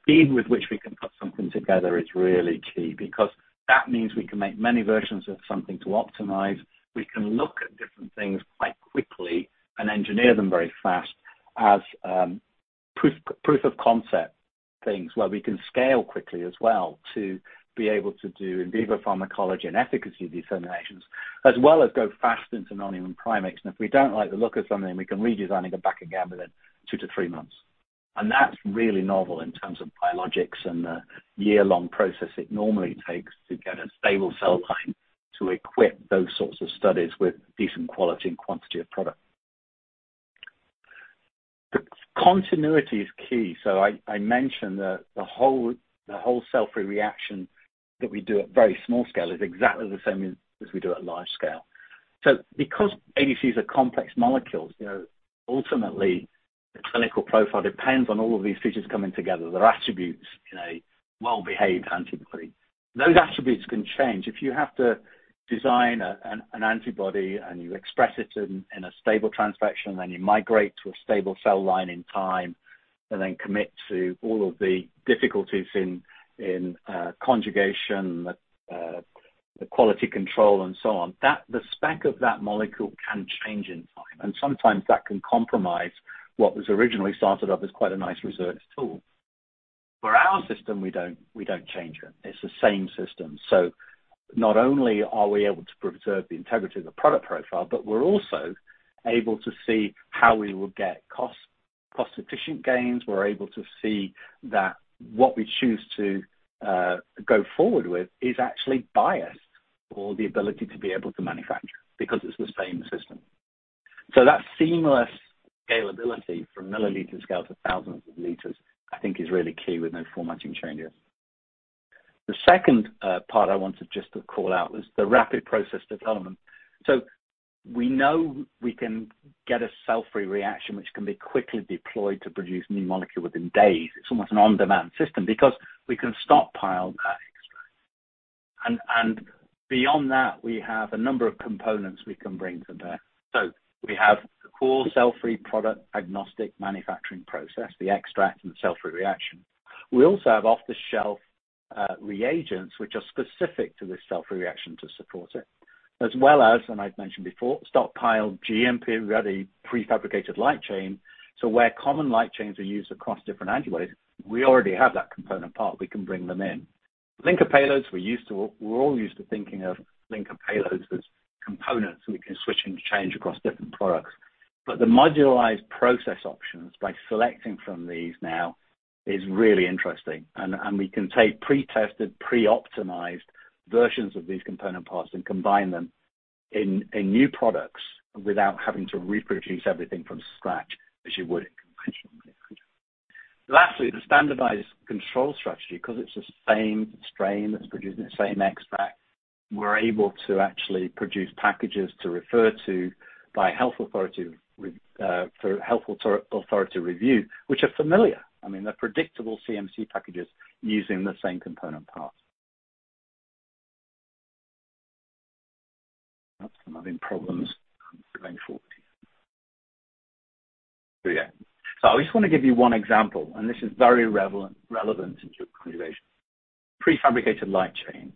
speed with which we can put something together is really key because that means we can make many versions of something to optimize. We can look at different things quite quickly and engineer them very fast as proof of concept things where we can scale quickly as well to be able to do in vivo pharmacology and efficacy determinations, as well as go fast into non-human primates. If we don't like the look of something, we can redesign and go back again within two to three months. That's really novel in terms of biologics and the year-long process it normally takes to get a stable cell line to equip those sorts of studies with decent quality and quantity of product. The continuity is key. I mentioned that the whole cell-free reaction that we do at very small scale is exactly the same as we do at large scale. Because ADCs are complex molecules, you know, ultimately the clinical profile depends on all of these features coming together. There are attributes in a well-behaved antibody. Those attributes can change. If you have to design an antibody and you express it in a stable transfection, then you migrate to a stable cell line in time and then commit to all of the difficulties in conjugation, the quality control and so on, that the spec of that molecule can change in time. Sometimes that can compromise what was originally started off as quite a nice research tool. For our system, we don't change them. It's the same system. Not only are we able to preserve the integrity of the product profile, but we're also able to see how we will get cost-efficient gains. We're able to see that what we choose to go forward with is actually biased for the ability to be able to manufacture because it's the same system. That seamless scalability from milliliter scale to thousands of liters, I think is really key with no formatting changes. The second part I wanted just to call out was the rapid process development. We know we can get a cell-free reaction which can be quickly deployed to produce new molecule within days. It's almost an on-demand system because we can stockpile that extract. Beyond that, we have a number of components we can bring to bear. We have the core cell-free product agnostic manufacturing process, the extract and cell-free reaction. We also have off-the-shelf reagents, which are specific to this cell-free reaction to support it, as well as, and I've mentioned before, stockpiled GMP-ready prefabricated light chain. Where common light chains are used across different antibodies, we already have that component part, we can bring them in. Linker payloads, we're used to... We're all used to thinking of linker payloads as components we can switch and change across different products. The modularized process options by selecting from these now is really interesting. We can take pre-tested, pre-optimized versions of these component parts and combine them in new products without having to reproduce everything from scratch as you would conventionally. Lastly, the standardized control structure, 'cause it's the same strain that's producing the same extract, we're able to actually produce packages to refer to by health authority for health authority review, which are familiar. I mean, they're predictable CMC packages using the same component parts. I'm having problems advancing forward. I just wanna give you one example, and this is very relevant to an observation. Prefabricated light chain.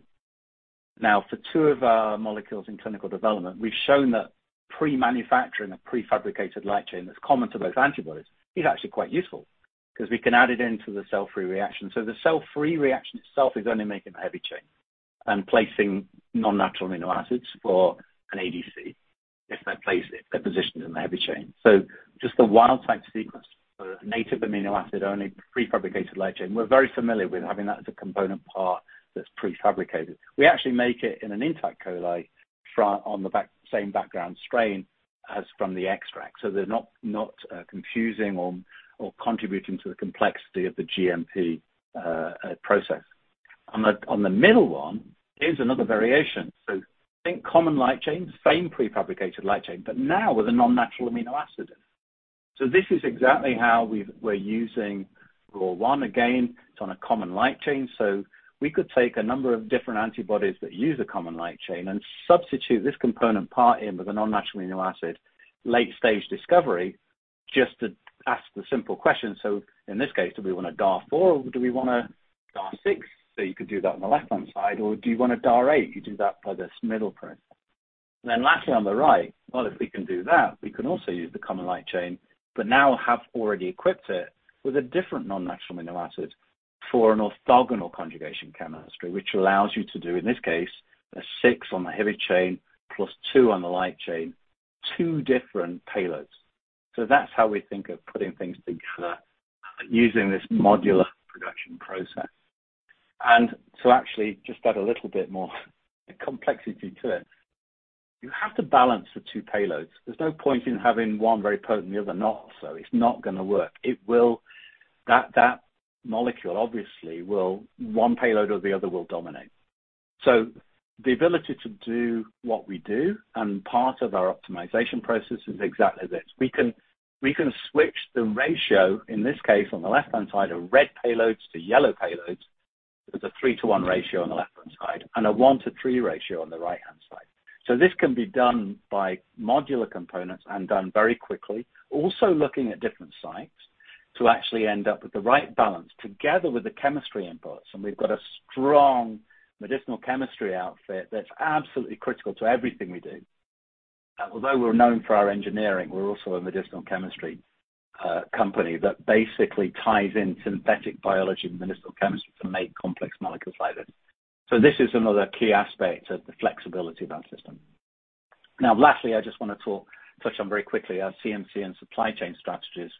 Now, for two of our molecules in clinical development, we've shown that pre-manufacturing a prefabricated light chain that's common to both antibodies is actually quite useful 'cause we can add it into the cell-free reaction. The cell-free reaction itself is only making the heavy chain and placing non-natural amino acids for an ADC if they're placed, if they're positioned in the heavy chain. Just the wild type sequence for a native amino acid only prefabricated light chain, we're very familiar with having that as a component part that's prefabricated. We actually make it in an intact E. coli strain on the same background as from the extract. They're not confusing or contributing to the complexity of the GMP process. On the middle one, here's another variation. Think common light chain, same prefabricated light chain, but now with a non-natural amino acid. This is exactly how we're using ROR1. Again, it's on a common light chain. We could take a number of different antibodies that use a common light chain and substitute this component part in with a non-natural amino acid late-stage discovery, just to ask the simple question. In this case, do we want a DAR 4 or do we want a DAR 6? You could do that on the left-hand side or do you want a DAR 8? You do that by this middle process. Lastly, on the right, well, if we can do that, we can also use the common light chain, but now have already equipped it with a different non-natural amino acid for an orthogonal conjugation chemistry, which allows you to do, in this case, a 6 on the heavy chain plus 2 on the light chain, two different payloads. So that's how we think of putting things together using this modular production process. To actually just add a little bit more complexity to it, you have to balance the two payloads. There's no point in having one very potent, the other not so. It's not gonna work. It will. That molecule obviously will, one payload or the other will dominate. So the ability to do what we do, and part of our optimization process is exactly this. We can, we can switch the ratio, in this case, on the left-hand side of red payloads to yellow payloads. There's a 3-to-1 ratio on the left-hand side and a 1-to-3 ratio on the right-hand side. This can be done by modular components and done very quickly. Also looking at different sites to actually end up with the right balance together with the chemistry inputs, and we've got a strong medicinal chemistry outfit that's absolutely critical to everything we do. Although we're known for our engineering, we're also a medicinal chemistry company that basically ties in synthetic biology and medicinal chemistry to make complex molecules like this. This is another key aspect of the flexibility of our system. Now lastly, I just wanna talk, touch on very quickly our CMC and supply chain strategies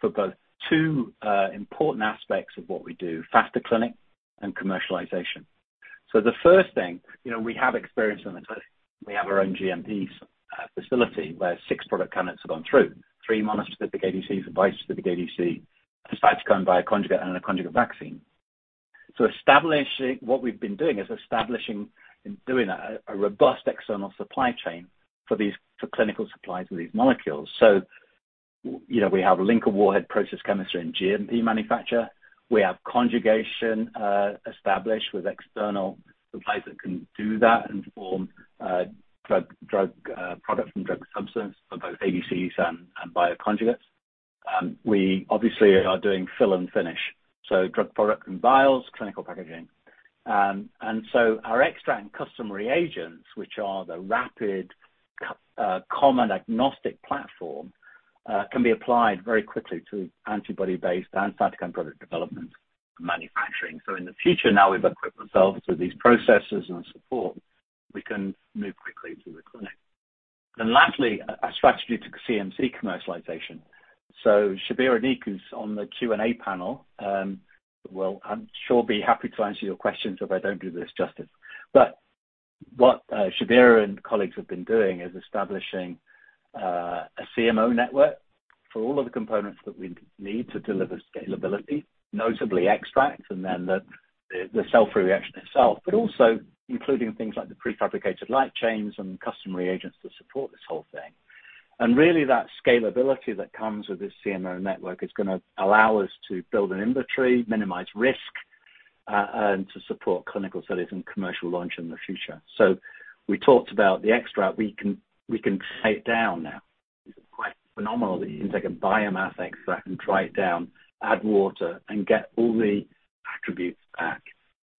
for both two important aspects of what we do, faster clinic and commercialization. The first thing, you know, we have experience in the clinic. We have our own GMP facility, where 6 product candidates have gone through, 3 monospecific ADCs, a bispecific ADC, a cytokine bioconjugate, and a conjugate vaccine. What we've been doing is establishing and doing a robust external supply chain for these, for clinical supplies for these molecules. You know, we have linker warhead process chemistry and GMP manufacture. We have conjugation established with external suppliers that can do that and form drug product and drug substance for both ADCs and bioconjugates. We obviously are doing fill and finish, so drug product and vials, clinical packaging. Our extract and custom reagents, which are the rapid common agnostic platform, can be applied very quickly to antibody-based and cytokine product development manufacturing. In the future, now we've equipped ourselves with these processes and support, we can move quickly to the clinic. Lastly, a strategy to CMC commercialization. Shabbir Anik is on the Q&A panel, will, I'm sure, be happy to answer your questions if I don't do this justice. But what Shabbir Anik and colleagues have been doing is establishing a CMO network for all of the components that we need to deliver scalability, notably extracts, and then the cell-free reaction itself, but also including things like the prefabricated light chains and custom reagents to support this whole thing. Really, that scalability that comes with this CMO network is gonna allow us to build an inventory, minimize risk, and to support clinical studies and commercial launch in the future. We talked about the extract. We can write down now. It's quite phenomenal that you can take a biomass extract and dry it down, add water, and get all the attributes back,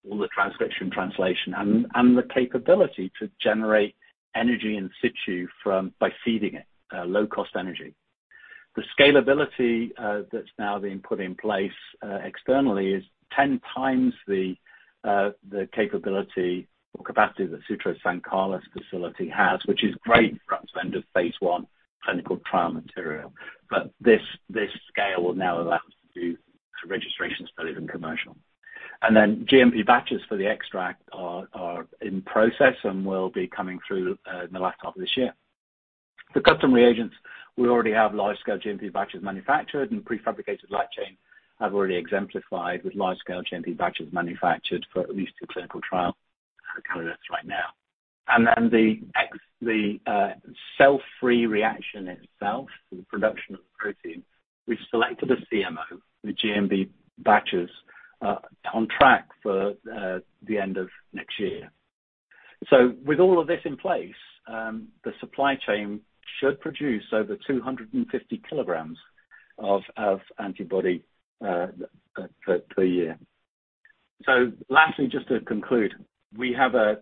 all the transcription, translation, and the capability to generate energy in situ from by feeding it low-cost energy. The scalability that's now being put in place externally is 10x the capability or capacity that Sutro's San Carlos facility has, which is great for our end of phase I clinical trial material. This scale will now allow us to do registration studies and commercial. GMP batches for the XpressCF are in process and will be coming through in the last half of this year. For custom reagents, we already have large-scale GMP batches manufactured and prefabricated light chain have already exemplified with large-scale GMP batches manufactured for at least two clinical trial candidates right now. The cell-free reaction itself for the production of the protein, we've selected a CMO with GMP batches on track for the end of next year. With all of this in place, the supply chain should produce over 250 kilograms of antibody per year. Lastly, just to conclude, we have a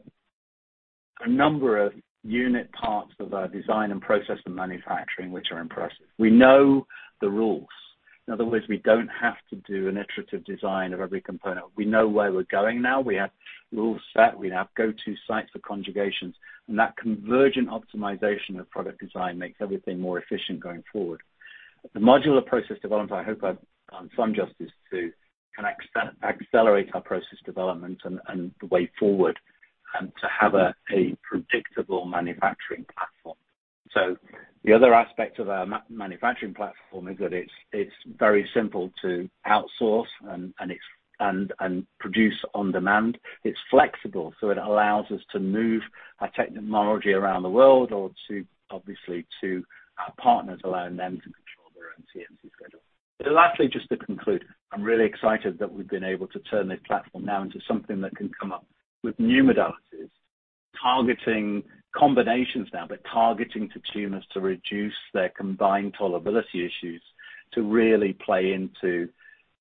number of unique parts of our design and process and manufacturing which are impressive. We know the rules. In other words, we don't have to do an iterative design of every component. We know where we're going now. We have rules set. We have go-to sites for conjugations, and that convergent optimization of product design makes everything more efficient going forward. The modular process development, I hope I've done some justice to, can accelerate our process development and the way forward and to have a predictable manufacturing platform. The other aspect of our manufacturing platform is that it's very simple to outsource and produce on demand. It's flexible, so it allows us to move our technology around the world or, obviously, to our partners, allowing them to control their own CMC schedule. Lastly, just to conclude, I'm really excited that we've been able to turn this platform now into something that can come up with new modalities, targeting combinations now, but targeting to tumors to reduce their combined tolerability issues to really play into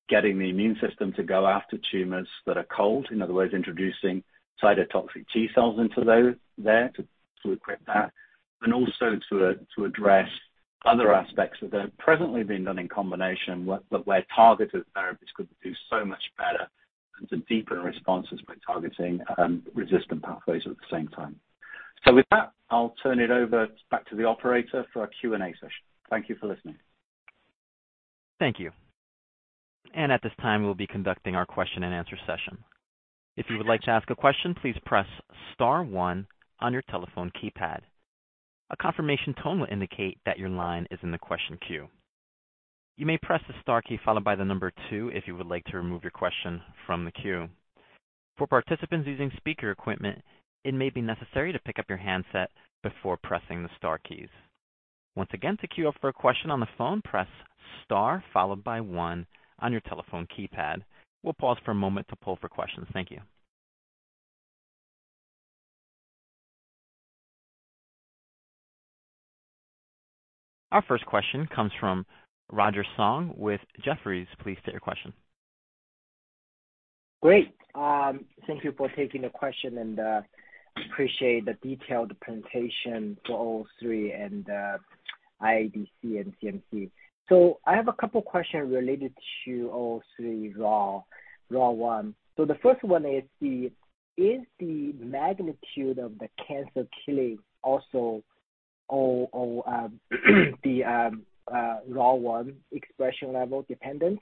getting the immune system to go after tumors that are cold, in other words, introducing cytotoxic T cells into those there to equip that, and also to address other aspects that are presently being done in combination where targeted therapies could do so much better and to deepen responses by targeting resistant pathways at the same time. With that, I'll turn it over back to the operator for our Q&A session. Thank you for listening. Thank you. At this time, we'll be conducting our question-and-answer session. If you would like to ask a question, please press star one on your telephone keypad. A confirmation tone will indicate that your line is in the question queue. You may press the star key followed by the number two if you would like to remove your question from the queue. For participants using speaker equipment, it may be necessary to pick up your handset before pressing the star keys. Once again, to queue up for a question on the phone, press star followed by one on your telephone keypad. We'll pause for a moment to poll for questions. Thank you. Our first question comes from Roger Song with Jefferies. Please state your question. Great. Thank you for taking the question, and appreciate the detailed presentation for STRO-003 and IADC and CMC. I have a couple questions related to STRO-003 ROR1. The first one is the magnitude of the cancer killing also on the ROR1 expression level dependent?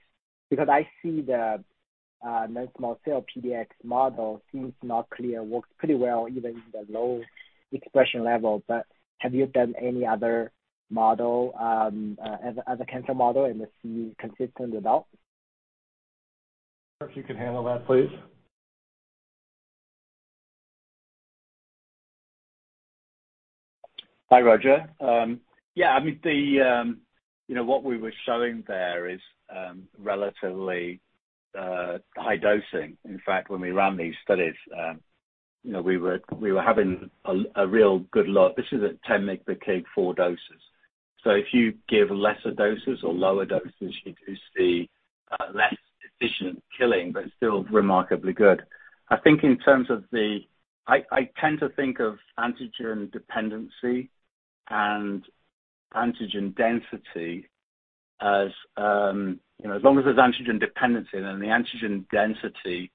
Because I see the non-small cell PDX model seems to work pretty well even in the low expression level. Have you done any other model as a cancer model and to see consistent results? If you could handle that, please. Hi, Roger. Yeah, I mean, you know, what we were showing there is relatively high dosing. In fact, when we ran these studies, you know, we were having a real good look. This is at 10 mg per kg four doses. So if you give lesser doses or lower doses, you do see less efficient killing, but still remarkably good. I think in terms of the I tend to think of antigen dependency and antigen density as you know, as long as there's antigen dependency, then the antigen density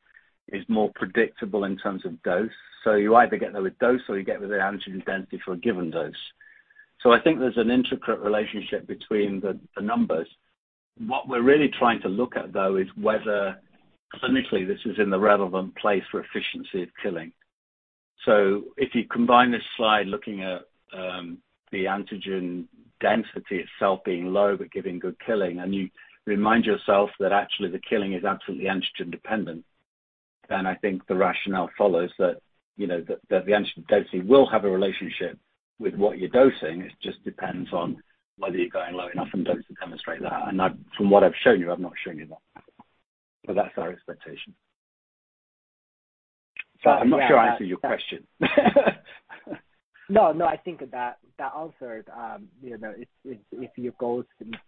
is more predictable in terms of dose. So you either get there with dose, or you get with the antigen density for a given dose. So I think there's an intricate relationship between the numbers. What we're really trying to look at, though, is whether clinically this is in the relevant place for efficiency of killing. If you combine this slide looking at the antigen density itself being low, but giving good killing, and you remind yourself that actually the killing is absolutely antigen dependent, then I think the rationale follows that, you know, that the antigen density will have a relationship with what you're dosing. It just depends on whether you're going low enough in dose to demonstrate that. I, from what I've shown you, I've not shown you that. That's our expectation. Sorry, I'm not sure I answered your question. No, no, I think that answered, you know, if you go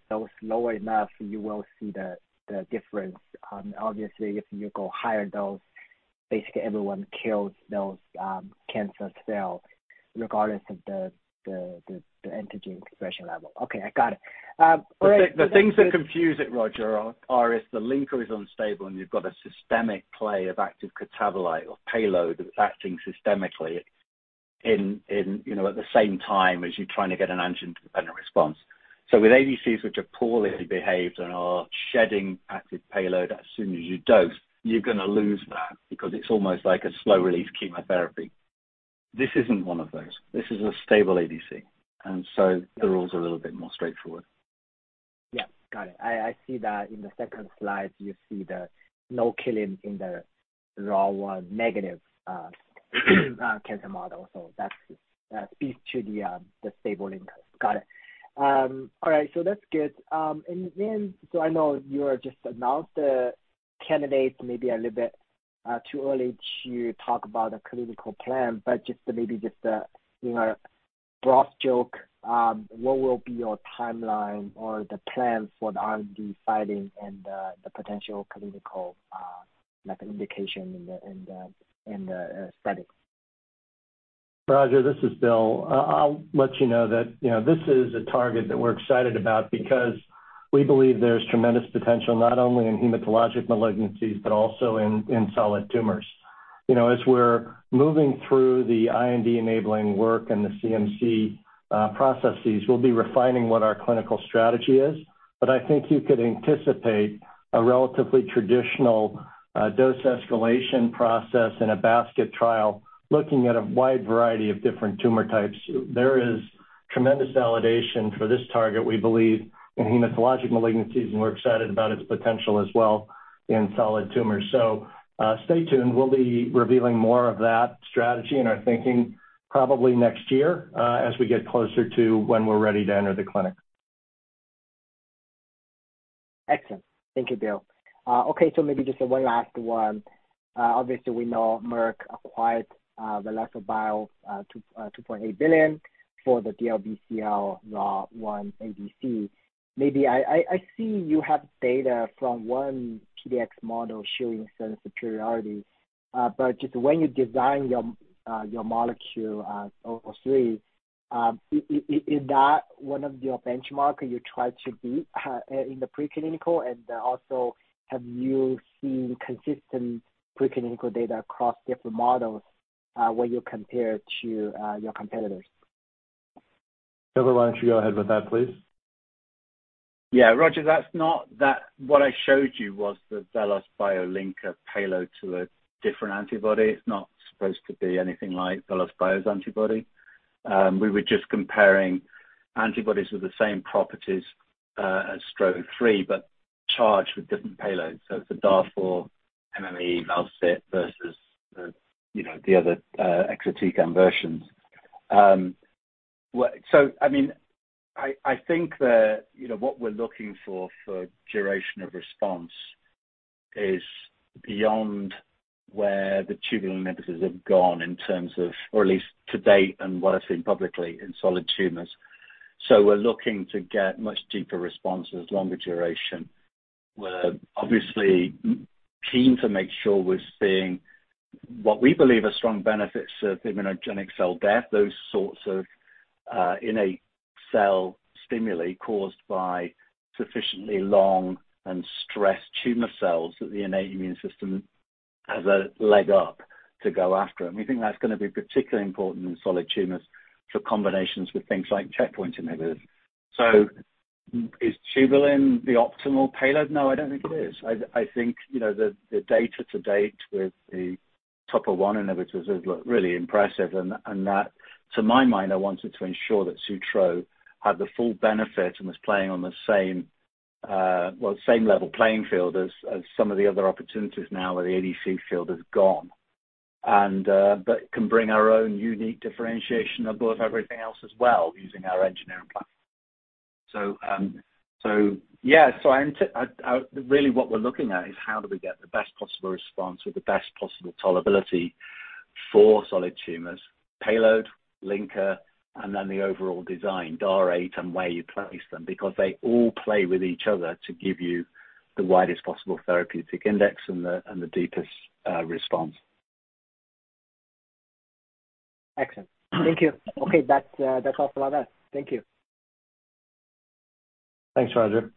dose lower enough, you will see the difference. Obviously, if you go higher dose, basically everyone kills those cancer cell regardless of the antigen expression level. Okay, I got it. All right. The things that confuse it, Roger, are the linker is unstable, and you've got a systemic release of active catabolite or payload that's acting systemically, you know, at the same time as you're trying to get an antigen-dependent response. With ADCs, which are poorly behaved and are shedding active payload, as soon as you dose, you're gonna lose that because it's almost like a slow-release chemotherapy. This isn't one of those. This is a stable ADC, and so the rule's a little bit more straightforward. Yeah, got it. I see that in the second slide, you see the no killing in the ROR1-negative cancer model. That speaks to the stable linkers. Got it. All right, that's good. I know you just announced the candidates may be a little bit too early to talk about a clinical plan, but just maybe a you know, a broad stroke, what will be your timeline or the plan for the IND filing and the potential clinical like indication in the settings? Roger, this is Bill. I'll let you know that, you know, this is a target that we're excited about because we believe there's tremendous potential not only in hematologic malignancies but also in solid tumors. You know, as we're moving through the IND-enabling work and the CMC processes, we'll be refining what our clinical strategy is. I think you could anticipate a relatively traditional dose escalation process in a basket trial looking at a wide variety of different tumor types. There is tremendous validation for this target, we believe, in hematologic malignancies, and we're excited about its potential as well in solid tumors. Stay tuned. We'll be revealing more of that strategy and our thinking probably next year as we get closer to when we're ready to enter the clinic. Excellent. Thank you, Bill. Okay, maybe just one last one. Obviously we know Merck acquired VelosBio $2.8 billion for the DLBCL ROR1 ADC. Maybe I see you have data from one PDX model showing certain superiority. But just when you design your molecule O3, is that one of your benchmark you try to beat in the preclinical? Also, have you seen consistent preclinical data across different models when you compare to your competitors? Trevor, why don't you go ahead with that, please? Yeah, Roger, that's not. That what I showed you was the VelosBio linker payload to a different antibody. It's not supposed to be anything like VelosBio's antibody. We were just comparing antibodies with the same properties as STRO-003, but charged with different payloads. It's a DAR four MMAE Val-Cit versus the, you know, the other exatecan versions. I mean, I think that, you know, what we're looking for duration of response is beyond where the tubulin inhibitors have gone in terms of or at least to date and what I've seen publicly in solid tumors. We're looking to get much deeper responses, longer duration. We're obviously keen to make sure we're seeing what we believe are strong benefits of immunogenic cell death, those sorts of innate cell stimuli caused by sufficiently long and stressed tumor cells that the innate immune system has a leg up to go after. We think that's gonna be particularly important in solid tumors for combinations with things like checkpoint inhibitors. Is tubulin the optimal payload? No, I don't think it is. I think, you know, the data to date with the TOP1 inhibitors has looked really impressive and that, to my mind, I wanted to ensure that Sutro had the full benefit and was playing on the same, well, same level playing field as some of the other opportunities now where the ADC field has gone. can bring our own unique differentiation above everything else as well using our engineering platform. Really what we're looking at is how do we get the best possible response with the best possible tolerability for solid tumors, payload, linker, and then the overall design, DAR 8 and where you place them, because they all play with each other to give you the widest possible therapeutic index and the deepest response. Excellent. Thank you. Okay. That's all for that. Thank you. Thanks, Roger.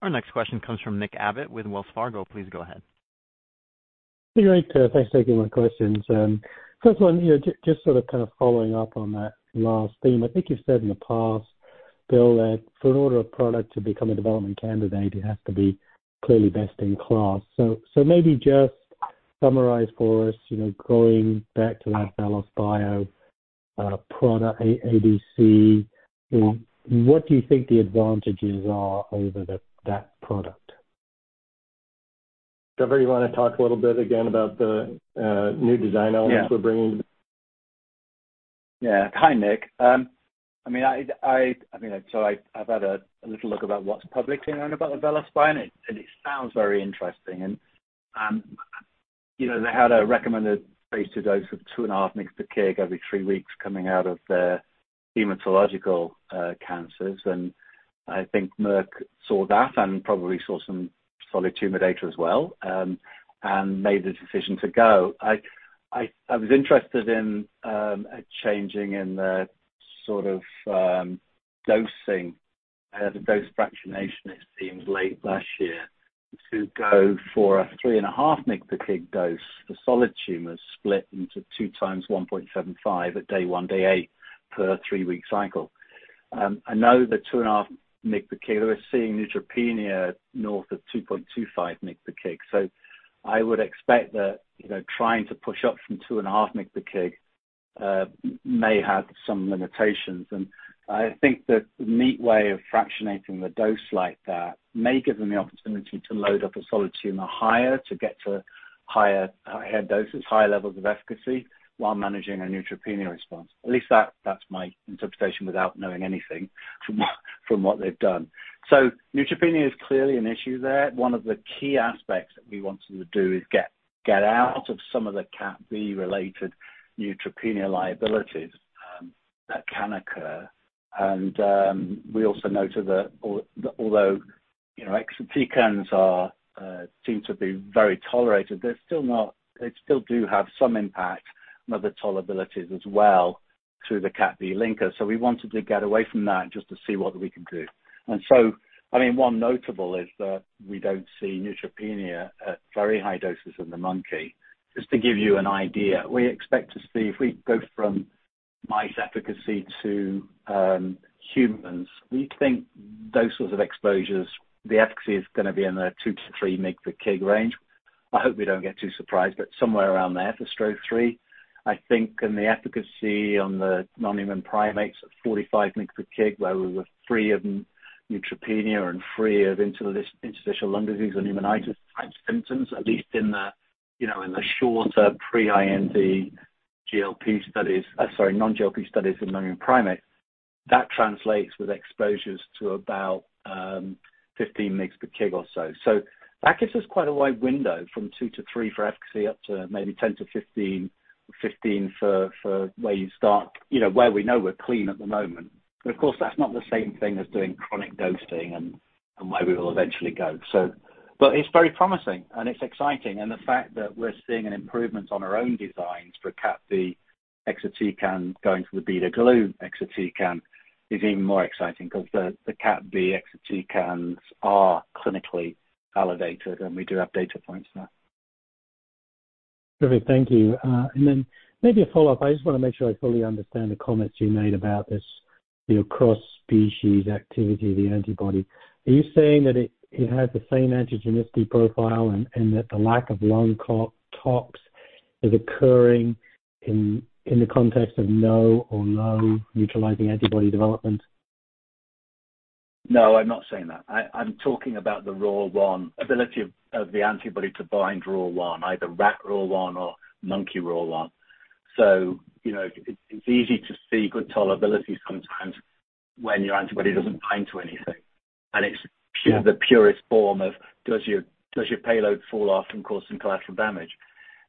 Our next question comes from Nick Abbott with Wells Fargo. Please go ahead. Hey, great. Thanks for taking my questions. First one, you know, just sort of, kind of following up on that last theme. I think you've said in the past, Bill, that for an order of product to become a development candidate, it has to be clearly best in class. Maybe just summarize for us, you know, going back to that VelosBio product, an ADC, you know, what do you think the advantages are over that product? Trevor, you wanna talk a little bit again about the new design elements? Yeah. We're bringing to this? Yeah. Hi, Nick. I mean, so I've had a little look about what's publicly known about the VelosBio, and it sounds very interesting. You know, they had a recommended phase II dose of 2.5 mg per kg every three weeks coming out of their hematological cancers. I think Merck saw that and probably saw some solid tumor data as well, and made the decision to go. I was interested in a changing in the sort of dosing. They had a dose fractionation, it seems, late last year to go for a 3.5 mg per kg dose for solid tumors split into two times 1.75 at day one, day eight per three-week cycle. I know the 2.5 mg per kg, they were seeing neutropenia north of 2.25 mg per kg. I would expect that, you know, trying to push up from 2.5 mg per kg, may have some limitations. I think the neat way of fractionating the dose like that may give them the opportunity to load up a solid tumor higher to get to higher doses, higher levels of efficacy while managing a neutropenia response. At least that's my interpretation without knowing anything from what, from what they've done. Neutropenia is clearly an issue there. One of the key aspects that we wanted to do is get out of some of the Cat B related neutropenia liabilities, that can occur. We also noted that although, you know, exatecans seem to be very well tolerated, they're still they still do have some impact on other tolerabilities as well. To the cathepsin B linker. We wanted to get away from that just to see what we can do. I mean, one notable is that we don't see neutropenia at very high doses in the monkey. Just to give you an idea, we expect to see if we go from mice efficacy to humans, we think those sorts of exposures, the efficacy is gonna be in the 2-3 mg per kg range. I hope we don't get too surprised, but somewhere around there for STRO-003. I think in the efficacy on the non-human primates at 45 mg per kg, where we were free of neutropenia and free of interstitial lung disease and pneumonitis-type symptoms, at least you know in the shorter pre-IND non-GLP studies in non-human primates, that translates with exposures to about 15 mg per kg or so. That gives us quite a wide window from 2-3 for efficacy up to maybe 10-15 for where you start you know where we know we're clean at the moment. Of course, that's not the same thing as doing chronic dosing and where we will eventually go. It's very promising and it's exciting. The fact that we're seeing an improvement on our own designs for Cat B exatecan going from the beta-glucuronidase exatecan is even more exciting 'cause the Cat B exatecans are clinically validated, and we do have data points now. Perfect. Thank you. Then maybe a follow-up. I just wanna make sure I fully understand the comments you made about this, you know, cross-species activity, the antibody. Are you saying that it has the same antigenicity profile and that the lack of lung co-tox is occurring in the context of no or low neutralizing antibody development? No, I'm not saying that. I'm talking about the ROR1 ability of the antibody to bind ROR1, either rat ROR1 or monkey ROR1. You know, it's easy to see good tolerability sometimes when your antibody doesn't bind to anything, and it's. Yeah. Pure, the purest form, does your payload fall off and cause some collateral damage?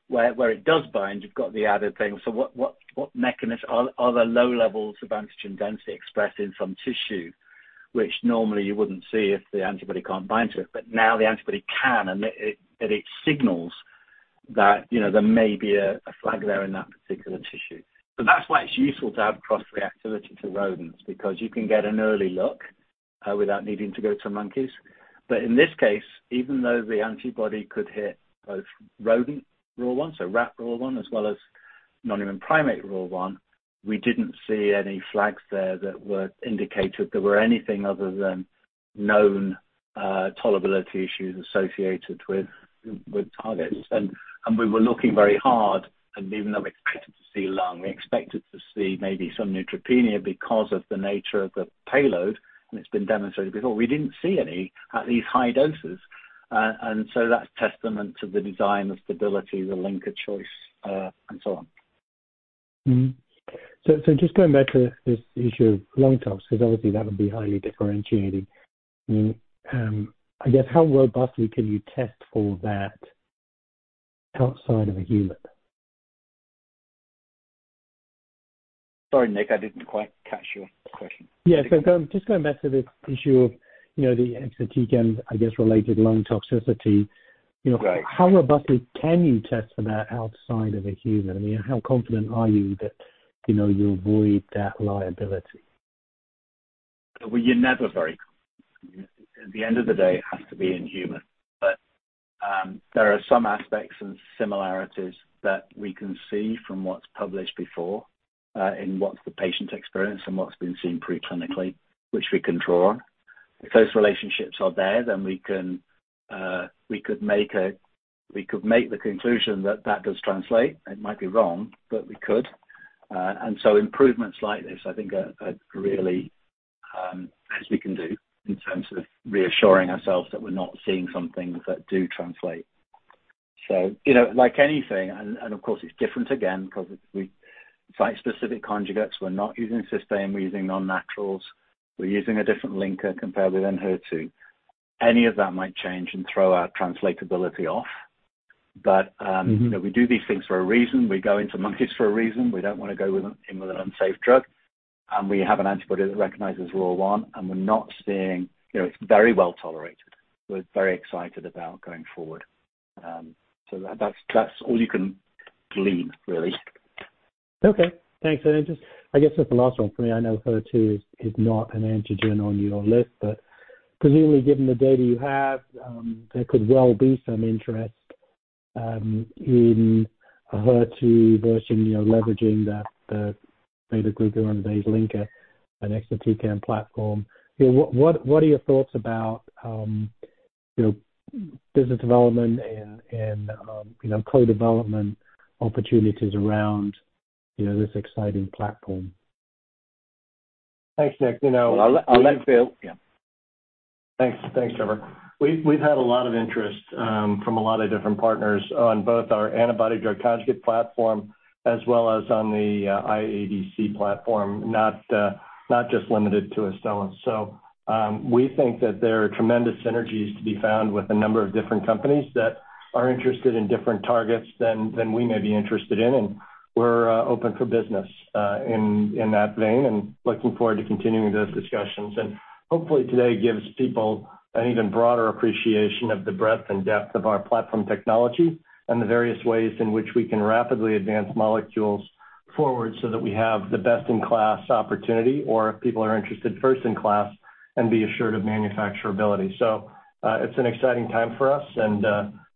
Where it does bind, you've got the added thing. What mechanism? Are there low levels of antigen density expressed in some tissue which normally you wouldn't see if the antibody can't bind to it? Now the antibody can, and it signals that, you know, there may be a flag there in that particular tissue. That's why it's useful to have cross-reactivity to rodents, because you can get an early look without needing to go to monkeys. In this case, even though the antibody could hit both rodent ROR1, so rat ROR1, as well as non-human primate ROR1, we didn't see any flags there that were indicative there were anything other than known tolerability issues associated with targets. We were looking very hard, and even though we expected to see lung, we expected to see maybe some neutropenia because of the nature of the payload, and it's been demonstrated before. We didn't see any at these high doses. That's testament to the design, the stability, the linker choice, and so on. Mm-hmm. Just going back to this issue of lung tox, 'cause obviously that would be highly differentiating. I guess how robustly can you test for that outside of a human? Sorry, Nick, I didn't quite catch your question. Yeah. Just going back to this issue of, you know, the exatecan, I guess, related lung toxicity. You know- Right. How robustly can you test for that outside of a human? I mean, how confident are you that, you know, you avoid that liability? Well, you're never very confident. At the end of the day, it has to be in human. There are some aspects and similarities that we can see from what's published before, in what's the patient experience and what's been seen pre-clinically, which we can draw on. If those relationships are there, then we can, we could make the conclusion that that does translate. It might be wrong, but we could. Improvements like this I think are really, as we can do in terms of reassuring ourselves that we're not seeing some things that do translate. You know, like anything, and of course, it's different again 'cause it's like specific conjugates. We're not using cysteines, we're using non-naturals. We're using a different linker compared with HER2. Any of that might change and throw our translatability off. Mm-hmm. You know, we do these things for a reason. We go into monkeys for a reason. We don't wanna go with an unsafe drug. We have an antibody that recognizes ROR1, and we're not seeing. You know, it's very well-tolerated. We're very excited about going forward. So that's all you can glean, really. Okay. Thanks. Just, I guess just the last one for me, I know HER2 is not an antigen on your list, but presumably, given the data you have, there could well be some interest in a HER2 version, you know, leveraging the beta-glucuronidase linker and exatecan platform. You know, what are your thoughts about, you know, business development and co-development opportunities around, you know, this exciting platform? Thanks, Nick. You know. I'll let Bill. Yeah. Thanks. Thanks, Trevor. We've had a lot of interest from a lot of different partners on both our antibody-drug conjugate platform as well as on the IADC platform, not just limited to Astellas. We think that there are tremendous synergies to be found with a number of different companies that are interested in different targets than we may be interested in. We're open for business in that vein and looking forward to continuing those discussions. Hopefully today gives people an even broader appreciation of the breadth and depth of our platform technology and the various ways in which we can rapidly advance molecules forward so that we have the best-in-class opportunity or if people are interested first-in-class and be assured of manufacturability. It's an exciting time for us, and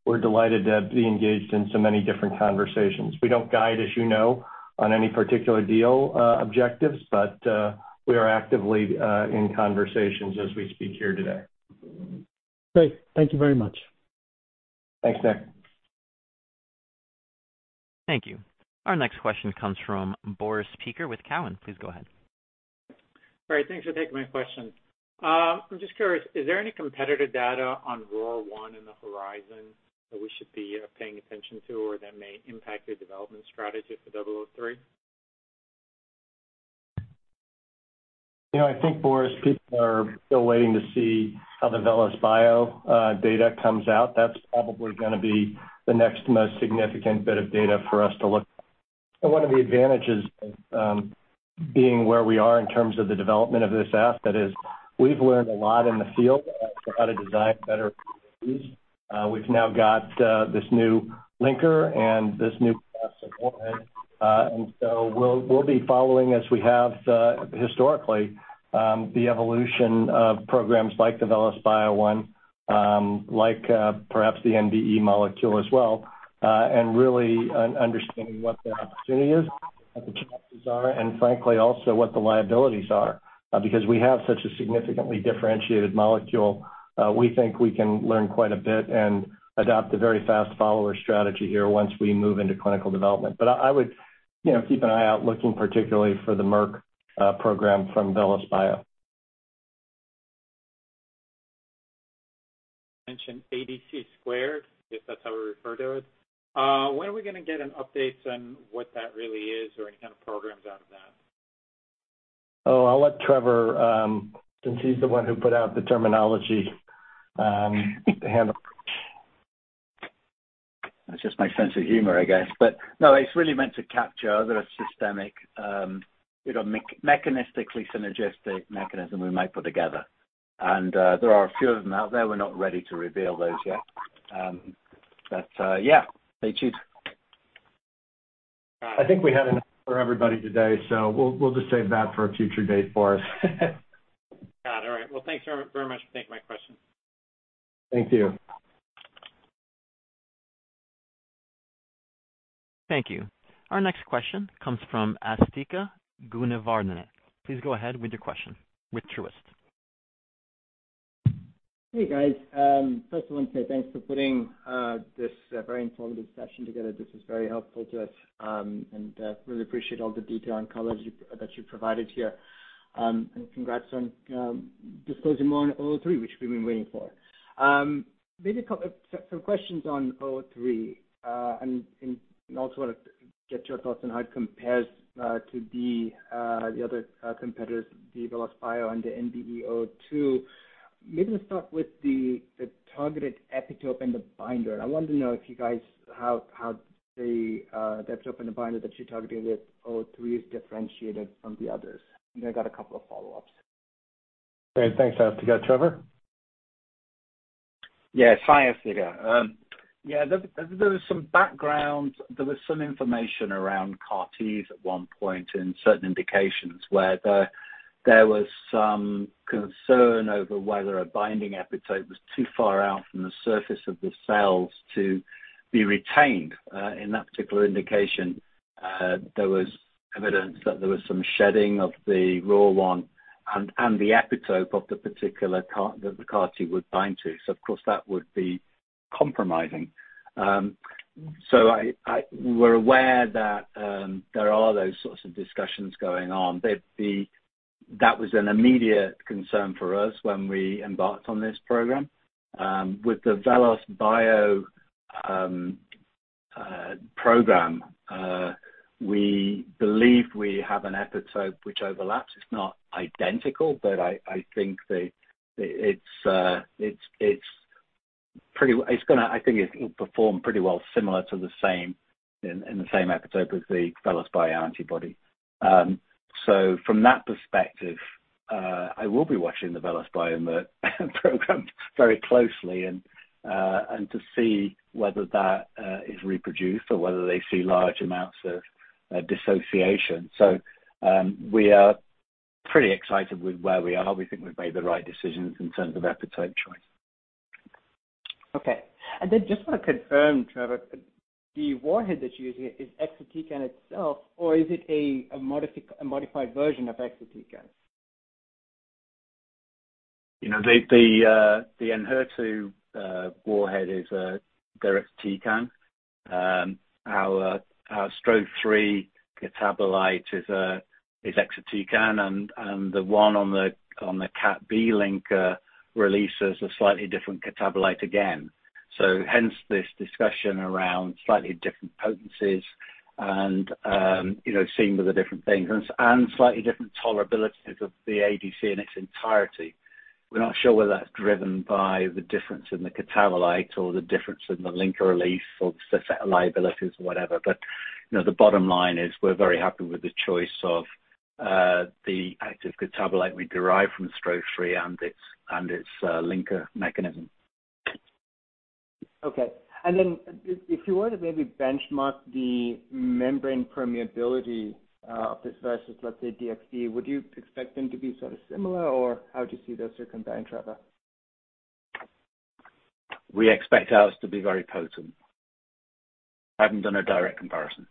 we're delighted to be engaged in so many different conversations. We don't guide, as you know, on any particular deal objectives, but we are actively in conversations as we speak here today. Great. Thank you very much. Thanks, Nick. Thank you. Our next question comes from Boris Peaker with Cowen. Please go ahead. All right. Thanks for taking my question. I'm just curious, is there any competitive data on ROR1 on the horizon that we should be paying attention to or that may impact your development strategy for STRO-003? You know, I think, Boris, people are still waiting to see how the VelosBio data comes out. That's probably gonna be the next most significant bit of data for us to look at. One of the advantages of being where we are in terms of the development of this asset is we've learned a lot in the field as to how to design better. We've now got this new linker and this new class of warhead. We'll be following, as we have historically, the evolution of programs like the VelosBio one, like perhaps the NBE molecule as well, and really understanding what their opportunity is, what the chances are, and frankly, also what the liabilities are. Because we have such a significantly differentiated molecule, we think we can learn quite a bit and adopt a very fast follower strategy here once we move into clinical development. I would, you know, keep an eye out looking particularly for the Merck program from VelosBio. You mentioned ADC squared, if that's how we refer to it. When are we gonna get an update on what that really is or any kind of programs out of that? Oh, I'll let Trevor, since he's the one who put out the terminology, handle. It's just my sense of humor, I guess. No, it's really meant to capture the systemic, you know, mechanistically synergistic mechanism we might put together. There are a few of them out there. We're not ready to reveal those yet. Yeah, stay tuned. I think we had enough for everybody today, so we'll just save that for a future date for us. Got it. All right. Well, thanks very, very much for taking my question. Thank you. Thank you. Our next question comes from Asthika Goonewardene. Please go ahead with your question, with Truist. Hey, guys. First I wanna say thanks for putting this very informative session together. This is very helpful to us, and really appreciate all the detail and colors that you provided here. And congrats on disclosing more on STRO-003, which we've been waiting for. Maybe some questions on STRO-003. Also wanna get your thoughts on how it compares to the other competitors, the VelosBio and the NBE-002. Maybe let's start with the targeted epitope and the binder. I wanted to know how the epitope and the binder that you targeted with STRO-003 is differentiated from the others. I got a couple of follow-ups. Great. Thanks, Asthika. Trevor? Yes. Hi, Asthika. There was some background. There was some information around CAR T at one point in certain indications where there was some concern over whether a binding epitope was too far out from the surface of the cells to be retained in that particular indication. There was evidence that there was some shedding of the ROR1 and the epitope of the particular CAR T that the CAR T would bind to. So of course, that would be compromising. We're aware that there are those sorts of discussions going on. That was an immediate concern for us when we embarked on this program. With the VelosBio program, we believe we have an epitope which overlaps. It's not identical, but I think the. It's pretty. It's gonna. I think it'll perform pretty well, in the same epitope as the VelosBio antibody. From that perspective, I will be watching the VelosBio and the programs very closely and to see whether that is reproduced or whether they see large amounts of dissociation. We are pretty excited with where we are. We think we've made the right decisions in terms of epitope choice. Okay. Just wanna confirm, Trevor, the warhead that you're using is exatecan itself, or is it a modified version of exatecan? You know, the ENHERTU warhead is deruxtecan. Our STRO-003 catabolite is exatecan, and the one on the CatB linker releases a slightly different catabolite again. Hence this discussion around slightly different potencies and, you know, seeing with the different things and slightly different tolerability of the ADC in its entirety. We're not sure whether that's driven by the difference in the catabolite or the difference in the linker release or the set of liabilities or whatever. You know, the bottom line is we're very happy with the choice of the active catabolite we derived from STRO-003 and its linker mechanism. Okay. If you were to maybe benchmark the membrane permeability of this versus, let's say, DXd, would you expect them to be sort of similar, or how would you see those combined, Trevor? We expect ours to be very potent. Haven't done a direct comparison.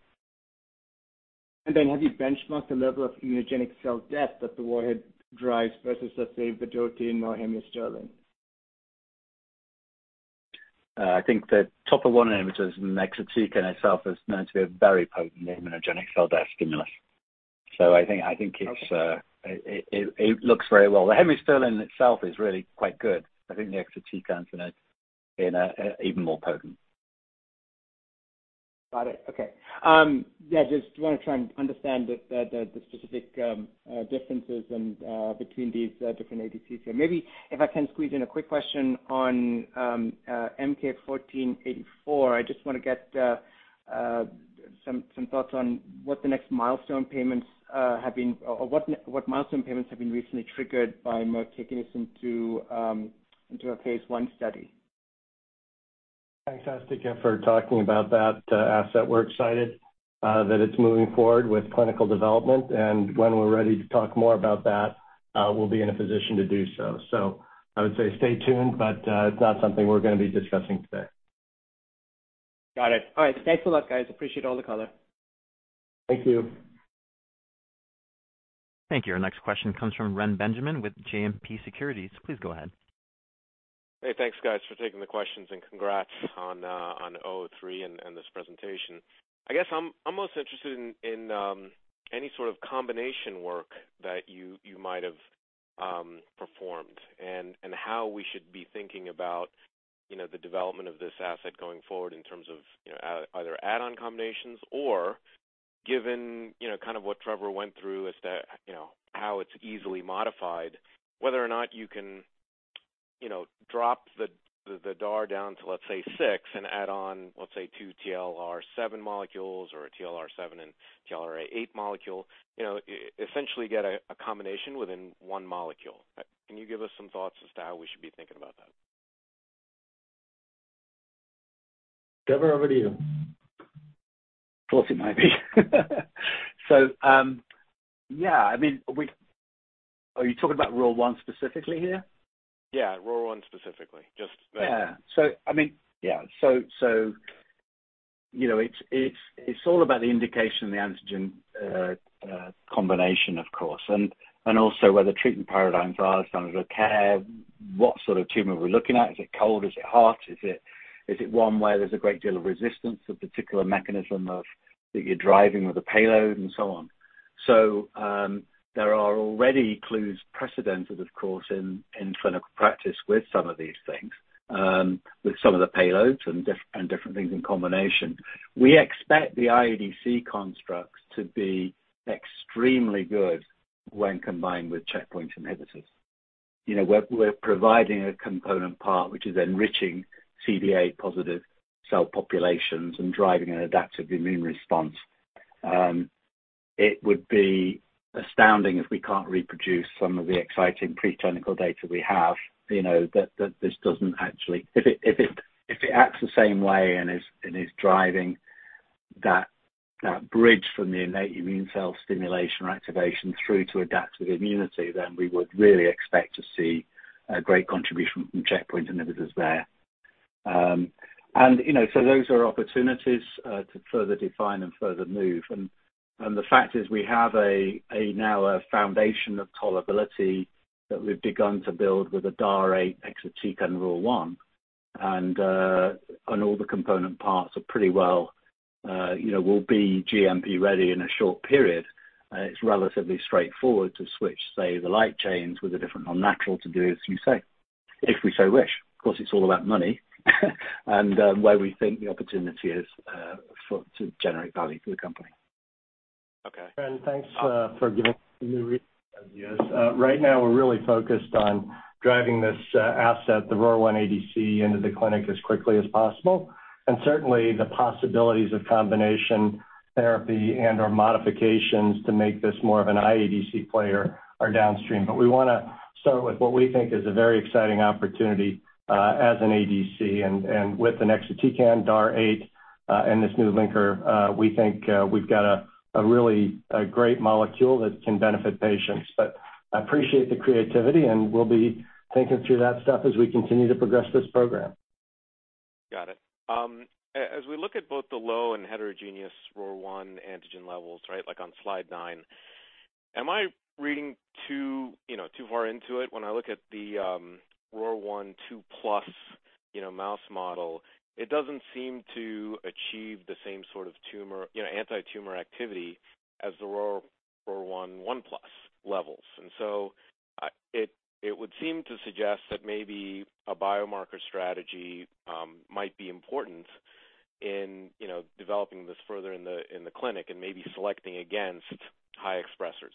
Have you benchmarked the level of immunogenic cell death that the warhead drives versus, let's say, the auristatin? I think the top of one of them, which is exatecan itself, is known to be a very potent immunogenic cell death stimulus. I think it's Okay. It looks very well. The hemiasterlin itself is really quite good. I think exatecan's gonna be even more potent. Got it. Okay. Yeah, just wanna try and understand the specific differences and between these different ADCs here. Maybe if I can squeeze in a quick question on MK-1484. I just wanna get some thoughts on what the next milestone payments have been or what milestone payments have been recently triggered by motixafortide to a phase I study. Thanks, Asthika, for talking about that, asset. We're excited that it's moving forward with clinical development, and when we're ready to talk more about that, we'll be in a position to do so. I would say stay tuned, but it's not something we're gonna be discussing today. Got it. All right. Thanks a lot, guys. Appreciate all the color. Thank you. Thank you. Our next question comes from Reni Benjamin with JMP Securities. Please go ahead. Hey, thanks, guys, for taking the questions, and congrats on STRO-003 and this presentation. I guess I'm most interested in any sort of combination work that you might have performed and how we should be thinking about, you know, the development of this asset going forward in terms of, you know, either add-on combinations or given, you know, kind of what Trevor went through as to, you know, how it's easily modified, whether or not you can, you know, drop the DAR down to, let's say, 6 and add on, let's say, 2 TLR7 molecules or a TLR7 and TLR8 molecule. You know, essentially get a combination within one molecule. Can you give us some thoughts as to how we should be thinking about that? Trevor, over to you. Thought it might be. Yeah, I mean, are you talking about ROR1 specifically here? Yeah, ROR1 specifically. I mean, you know, it's all about the indication, the antigen, combination, of course, and also where the treatment paradigms are, standard of care, what sort of tumor we're looking at. Is it cold? Is it hot? Is it one where there's a great deal of resistance to a particular mechanism of that you're driving with a payload and so on. There are already precedents, of course, in clinical practice with some of these things, with some of the payloads and different things in combination. We expect the IADC constructs to be extremely good when combined with checkpoint inhibitors. You know, we're providing a component part which is enriching CD8-positive cell populations and driving an adaptive immune response. It would be astounding if we can't reproduce some of the exciting preclinical data we have, you know. If it acts the same way and is driving that bridge from the innate immune cell stimulation or activation through to adaptive immunity, then we would really expect to see a great contribution from checkpoint inhibitors there. You know, those are opportunities to further define and further move. The fact is we have now a foundation of tolerability that we've begun to build with DAR8, exatecan, ROR1, and all the component parts are pretty well will be GMP-ready in a short period. It's relatively straightforward to switch, say, the light chains with a different unnatural to do as you say, if we so wish. Of course, it's all about money, and where we think the opportunity is to generate value for the company. Okay. Thanks for giving me ideas. Right now we're really focused on driving this asset, the ROR1 ADC, into the clinic as quickly as possible. Certainly the possibilities of combination therapy and/or modifications to make this more of an iADC player are downstream. We wanna start with what we think is a very exciting opportunity as an ADC. With exatecan, DAR8, and this new linker, we think we've got a really great molecule that can benefit patients. I appreciate the creativity, and we'll be thinking through that stuff as we continue to progress this program. Got it. As we look at both the low and heterogeneous ROR1 antigen levels, right, like on slide nine, am I reading too, you know, too far into it when I look at the ROR1 2+, you know, mouse model? It doesn't seem to achieve the same sort of tumor, you know, anti-tumor activity as the ROR1 1+ levels. It would seem to suggest that maybe a biomarker strategy might be important in, you know, developing this further in the clinic and maybe selecting against high expressers.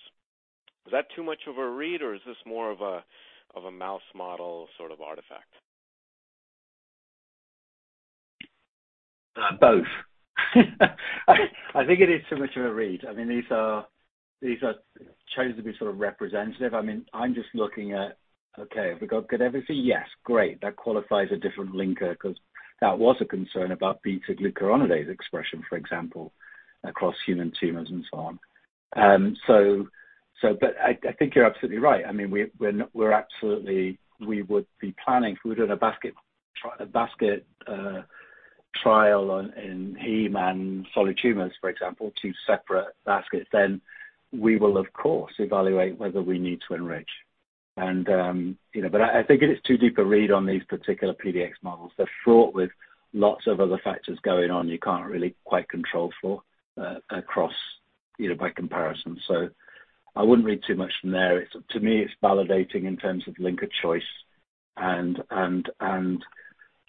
Is that too much of a read, or is this more of a mouse model sort of artifact? Both. I think it is too much of a read. I mean, these are chosen to be sort of representative. I mean, I'm just looking at, okay, have we got good efficacy? Yes. Great. That qualifies a different linker 'cause that was a concern about β-glucuronidase expression, for example, across human tumors and so on. So, but I think you're absolutely right. I mean, we would be planning, if we were doing a basket trial in heme and solid tumors, for example, two separate baskets, then we will, of course, evaluate whether we need to enrich. You know, but I think it is too deep a read on these particular PDX models. They're fraught with lots of other factors going on you can't really quite control for, across, you know, by comparison. I wouldn't read too much from there. It's to me, it's validating in terms of linker choice and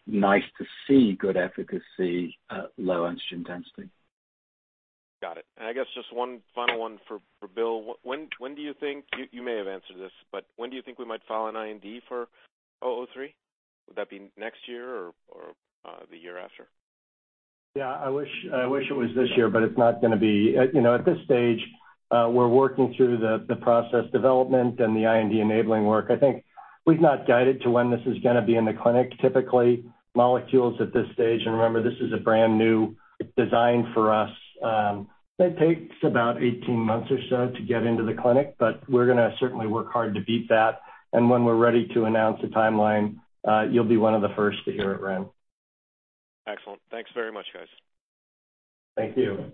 nice to see good efficacy at low antigen density. Got it. I guess just one final one for Bill. When do you think you may have answered this, but when do you think we might file an IND for STRO-003? Would that be next year or the year after? Yeah. I wish, I wish it was this year, but it's not gonna be. You know, at this stage, we're working through the process development and the IND-enabling work. I think we've not guided to when this is gonna be in the clinic. Typically, molecules at this stage, and remember, this is a brand-new design for us, it takes about 18 months or so to get into the clinic, but we're gonna certainly work hard to beat that. When we're ready to announce a timeline, you'll be one of the first to hear it, Ren. Excellent. Thanks very much, guys. Thank you.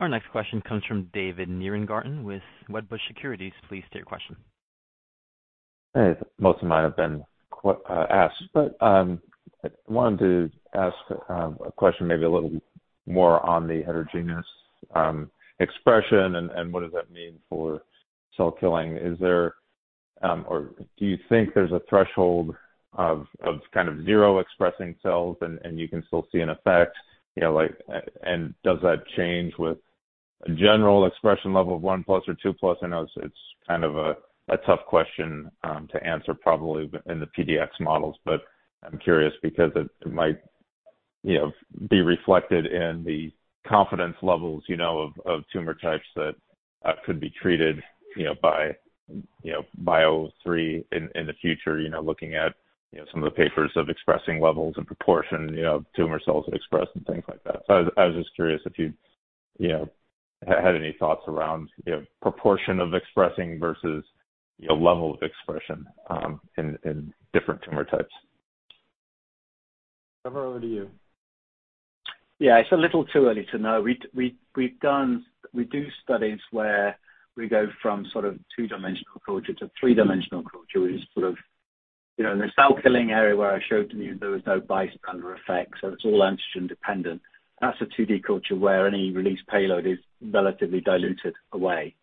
Our next question comes from David Nierengarten with Wedbush Securities. Please state your question. Hey. Most of mine have been asked, but I wanted to ask a question maybe a little more on the heterogeneous expression and what does that mean for cell killing. Is there or do you think there's a threshold of kind of zero expressing cells and you can still see an effect? You know, like, and does that change with a general expression level of one plus or two plus? I know it's kind of a tough question to answer probably in the PDX models, but I'm curious because it might, you know, be reflected in the confidence levels, you know, of tumor types that could be treated, you know, by STRO-003 in the future, you know. Looking at, you know, some of the papers on expression levels or proportion, you know, tumor cells that express and things like that. I was just curious if you know, had any thoughts around, you know, proportion of expressing versus, you know, level of expression in different tumor types. Trevor, over to you. Yeah. It's a little too early to know. We do studies where we go from sort of two-dimensional culture to three-dimensional culture, which is sort of, you know, in the cell killing area where I showed to you there was no bystander effect, so it's all antigen dependent. That's a 2D culture where any release payload is relatively diluted away.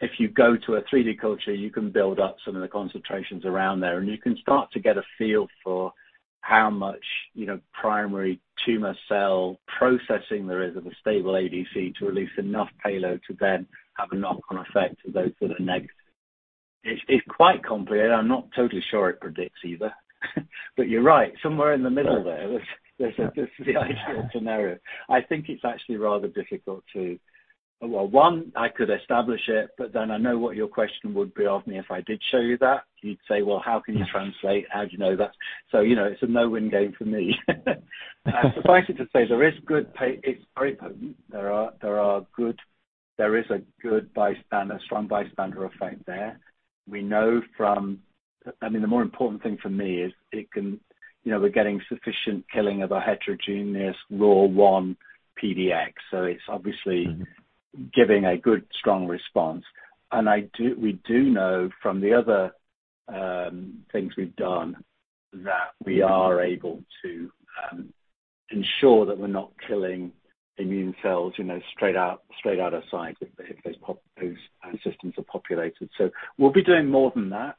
If you go to a three-D culture, you can build up some of the concentrations around there, and you can start to get a feel for how much, you know, primary tumor cell processing there is of a stable ADC to release enough payload to then have a knock-on effect to those that are next. It's quite complicated. I'm not totally sure it predicts either. You're right, somewhere in the middle there. There's the ideal scenario. I think it's actually rather difficult to. Well, one, I could establish it, but then I know what your question would be of me if I did show you that. You'd say, "Well, how can you translate? How do you know that?" You know, it's a no-win game for me. Suffice it to say there is good payload. It's very potent. There is a good bystander, strong bystander effect there. We know from. I mean, the more important thing for me is it can, you know, we're getting sufficient killing of a heterogeneous ROR1 PDX, so it's obviously. Mm-hmm. giving a good strong response. We do know from the other things we've done that we are able to ensure that we're not killing immune cells, you know, straight out of sight if those systems are populated. We'll be doing more than that.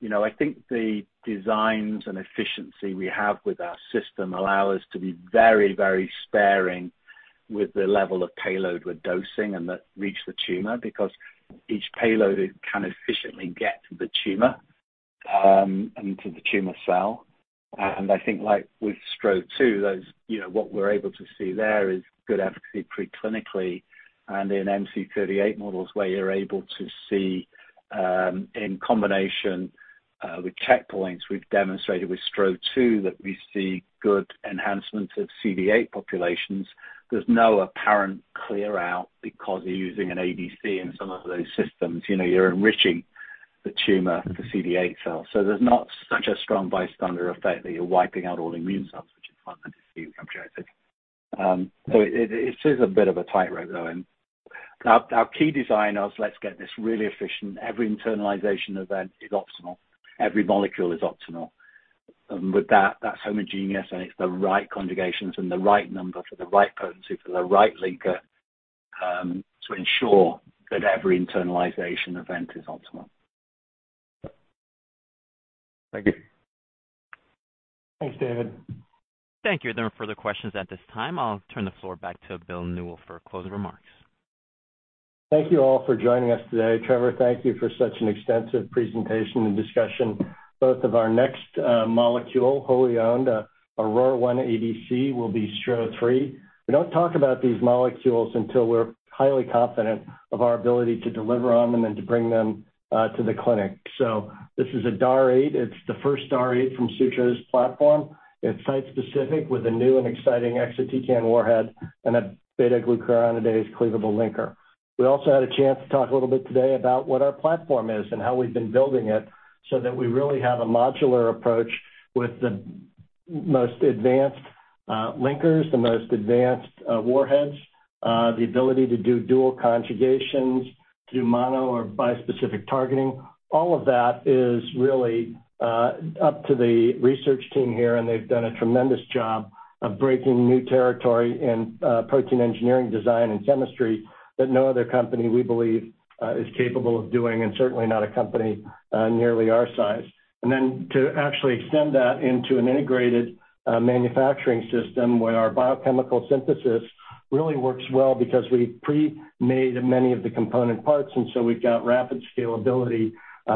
You know, I think the designs and efficiency we have with our system allow us to be very, very sparing with the level of payload we're dosing and that reach the tumor, because each payload, it can efficiently get to the tumor and to the tumor cell. I think like with STRO-002, those, you know, what we're able to see there is good efficacy preclinically and in MC38 models where you're able to see in combination with checkpoints, we've demonstrated with STRO-002 that we see good enhancements of CD8 populations. There's no apparent clear-out because you're using an ADC in some of those systems. You know, you're enriching the tumor, the CD8 cells. There's not such a strong bystander effect that you're wiping out all immune cells, which is one thing to see from. It is a bit of a tightrope though. Our key design is let's get this really efficient. Every internalization event is optimal. Every molecule is optimal. With that's homogeneous, and it's the right conjugations and the right number for the right potency for the right linker to ensure that every internalization event is optimal. Thank you. Thanks, David. Thank you. There are no further questions at this time. I'll turn the floor back to Bill Newell for closing remarks. Thank you all for joining us today. Trevor, thank you for such an extensive presentation and discussion both of our next molecule, wholly owned, anti-ROR1-ADC will be STRO-003. We don't talk about these molecules until we're highly confident of our ability to deliver on them and to bring them to the clinic. This is a DAR 8. It's the first DAR 8 from Sutro's platform. It's site-specific with a new and exciting exatecan warhead and a β-glucuronidase cleavable linker. We also had a chance to talk a little bit today about what our platform is and how we've been building it so that we really have a modular approach with the most advanced linkers, the most advanced warheads, the ability to do dual conjugations, to do mono or bispecific targeting. All of that is really up to the research team here, and they've done a tremendous job of breaking new territory in protein engineering, design, and chemistry that no other company, we believe, is capable of doing and certainly not a company nearly our size. Then to actually extend that into an integrated manufacturing system where our biochemical synthesis really works well because we pre-made many of the component parts, and so we've got rapid scalability,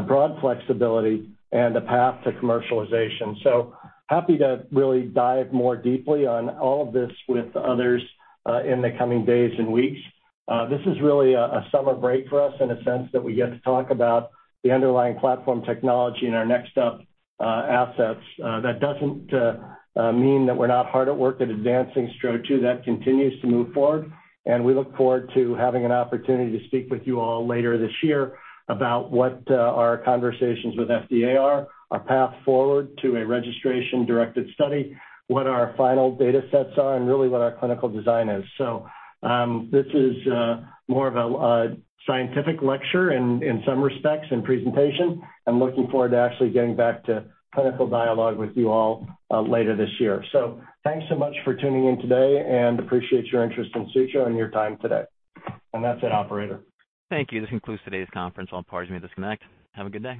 broad flexibility, and a path to commercialization. Happy to really dive more deeply on all of this with others in the coming days and weeks. This is really a summer break for us in a sense that we get to talk about the underlying platform technology and our next up assets. That doesn't mean that we're not hard at work at advancing STRO-002. That continues to move forward, and we look forward to having an opportunity to speak with you all later this year about what our conversations with FDA are, our path forward to a registration-directed study, what our final data sets are, and really what our clinical design is. This is more of a scientific lecture in some respects in presentation. I'm looking forward to actually getting back to clinical dialogue with you all later this year. Thanks so much for tuning in today and appreciate your interest in Sutro and your time today. That's it, operator. Thank you. This concludes today's conference. All parties may disconnect. Have a good day.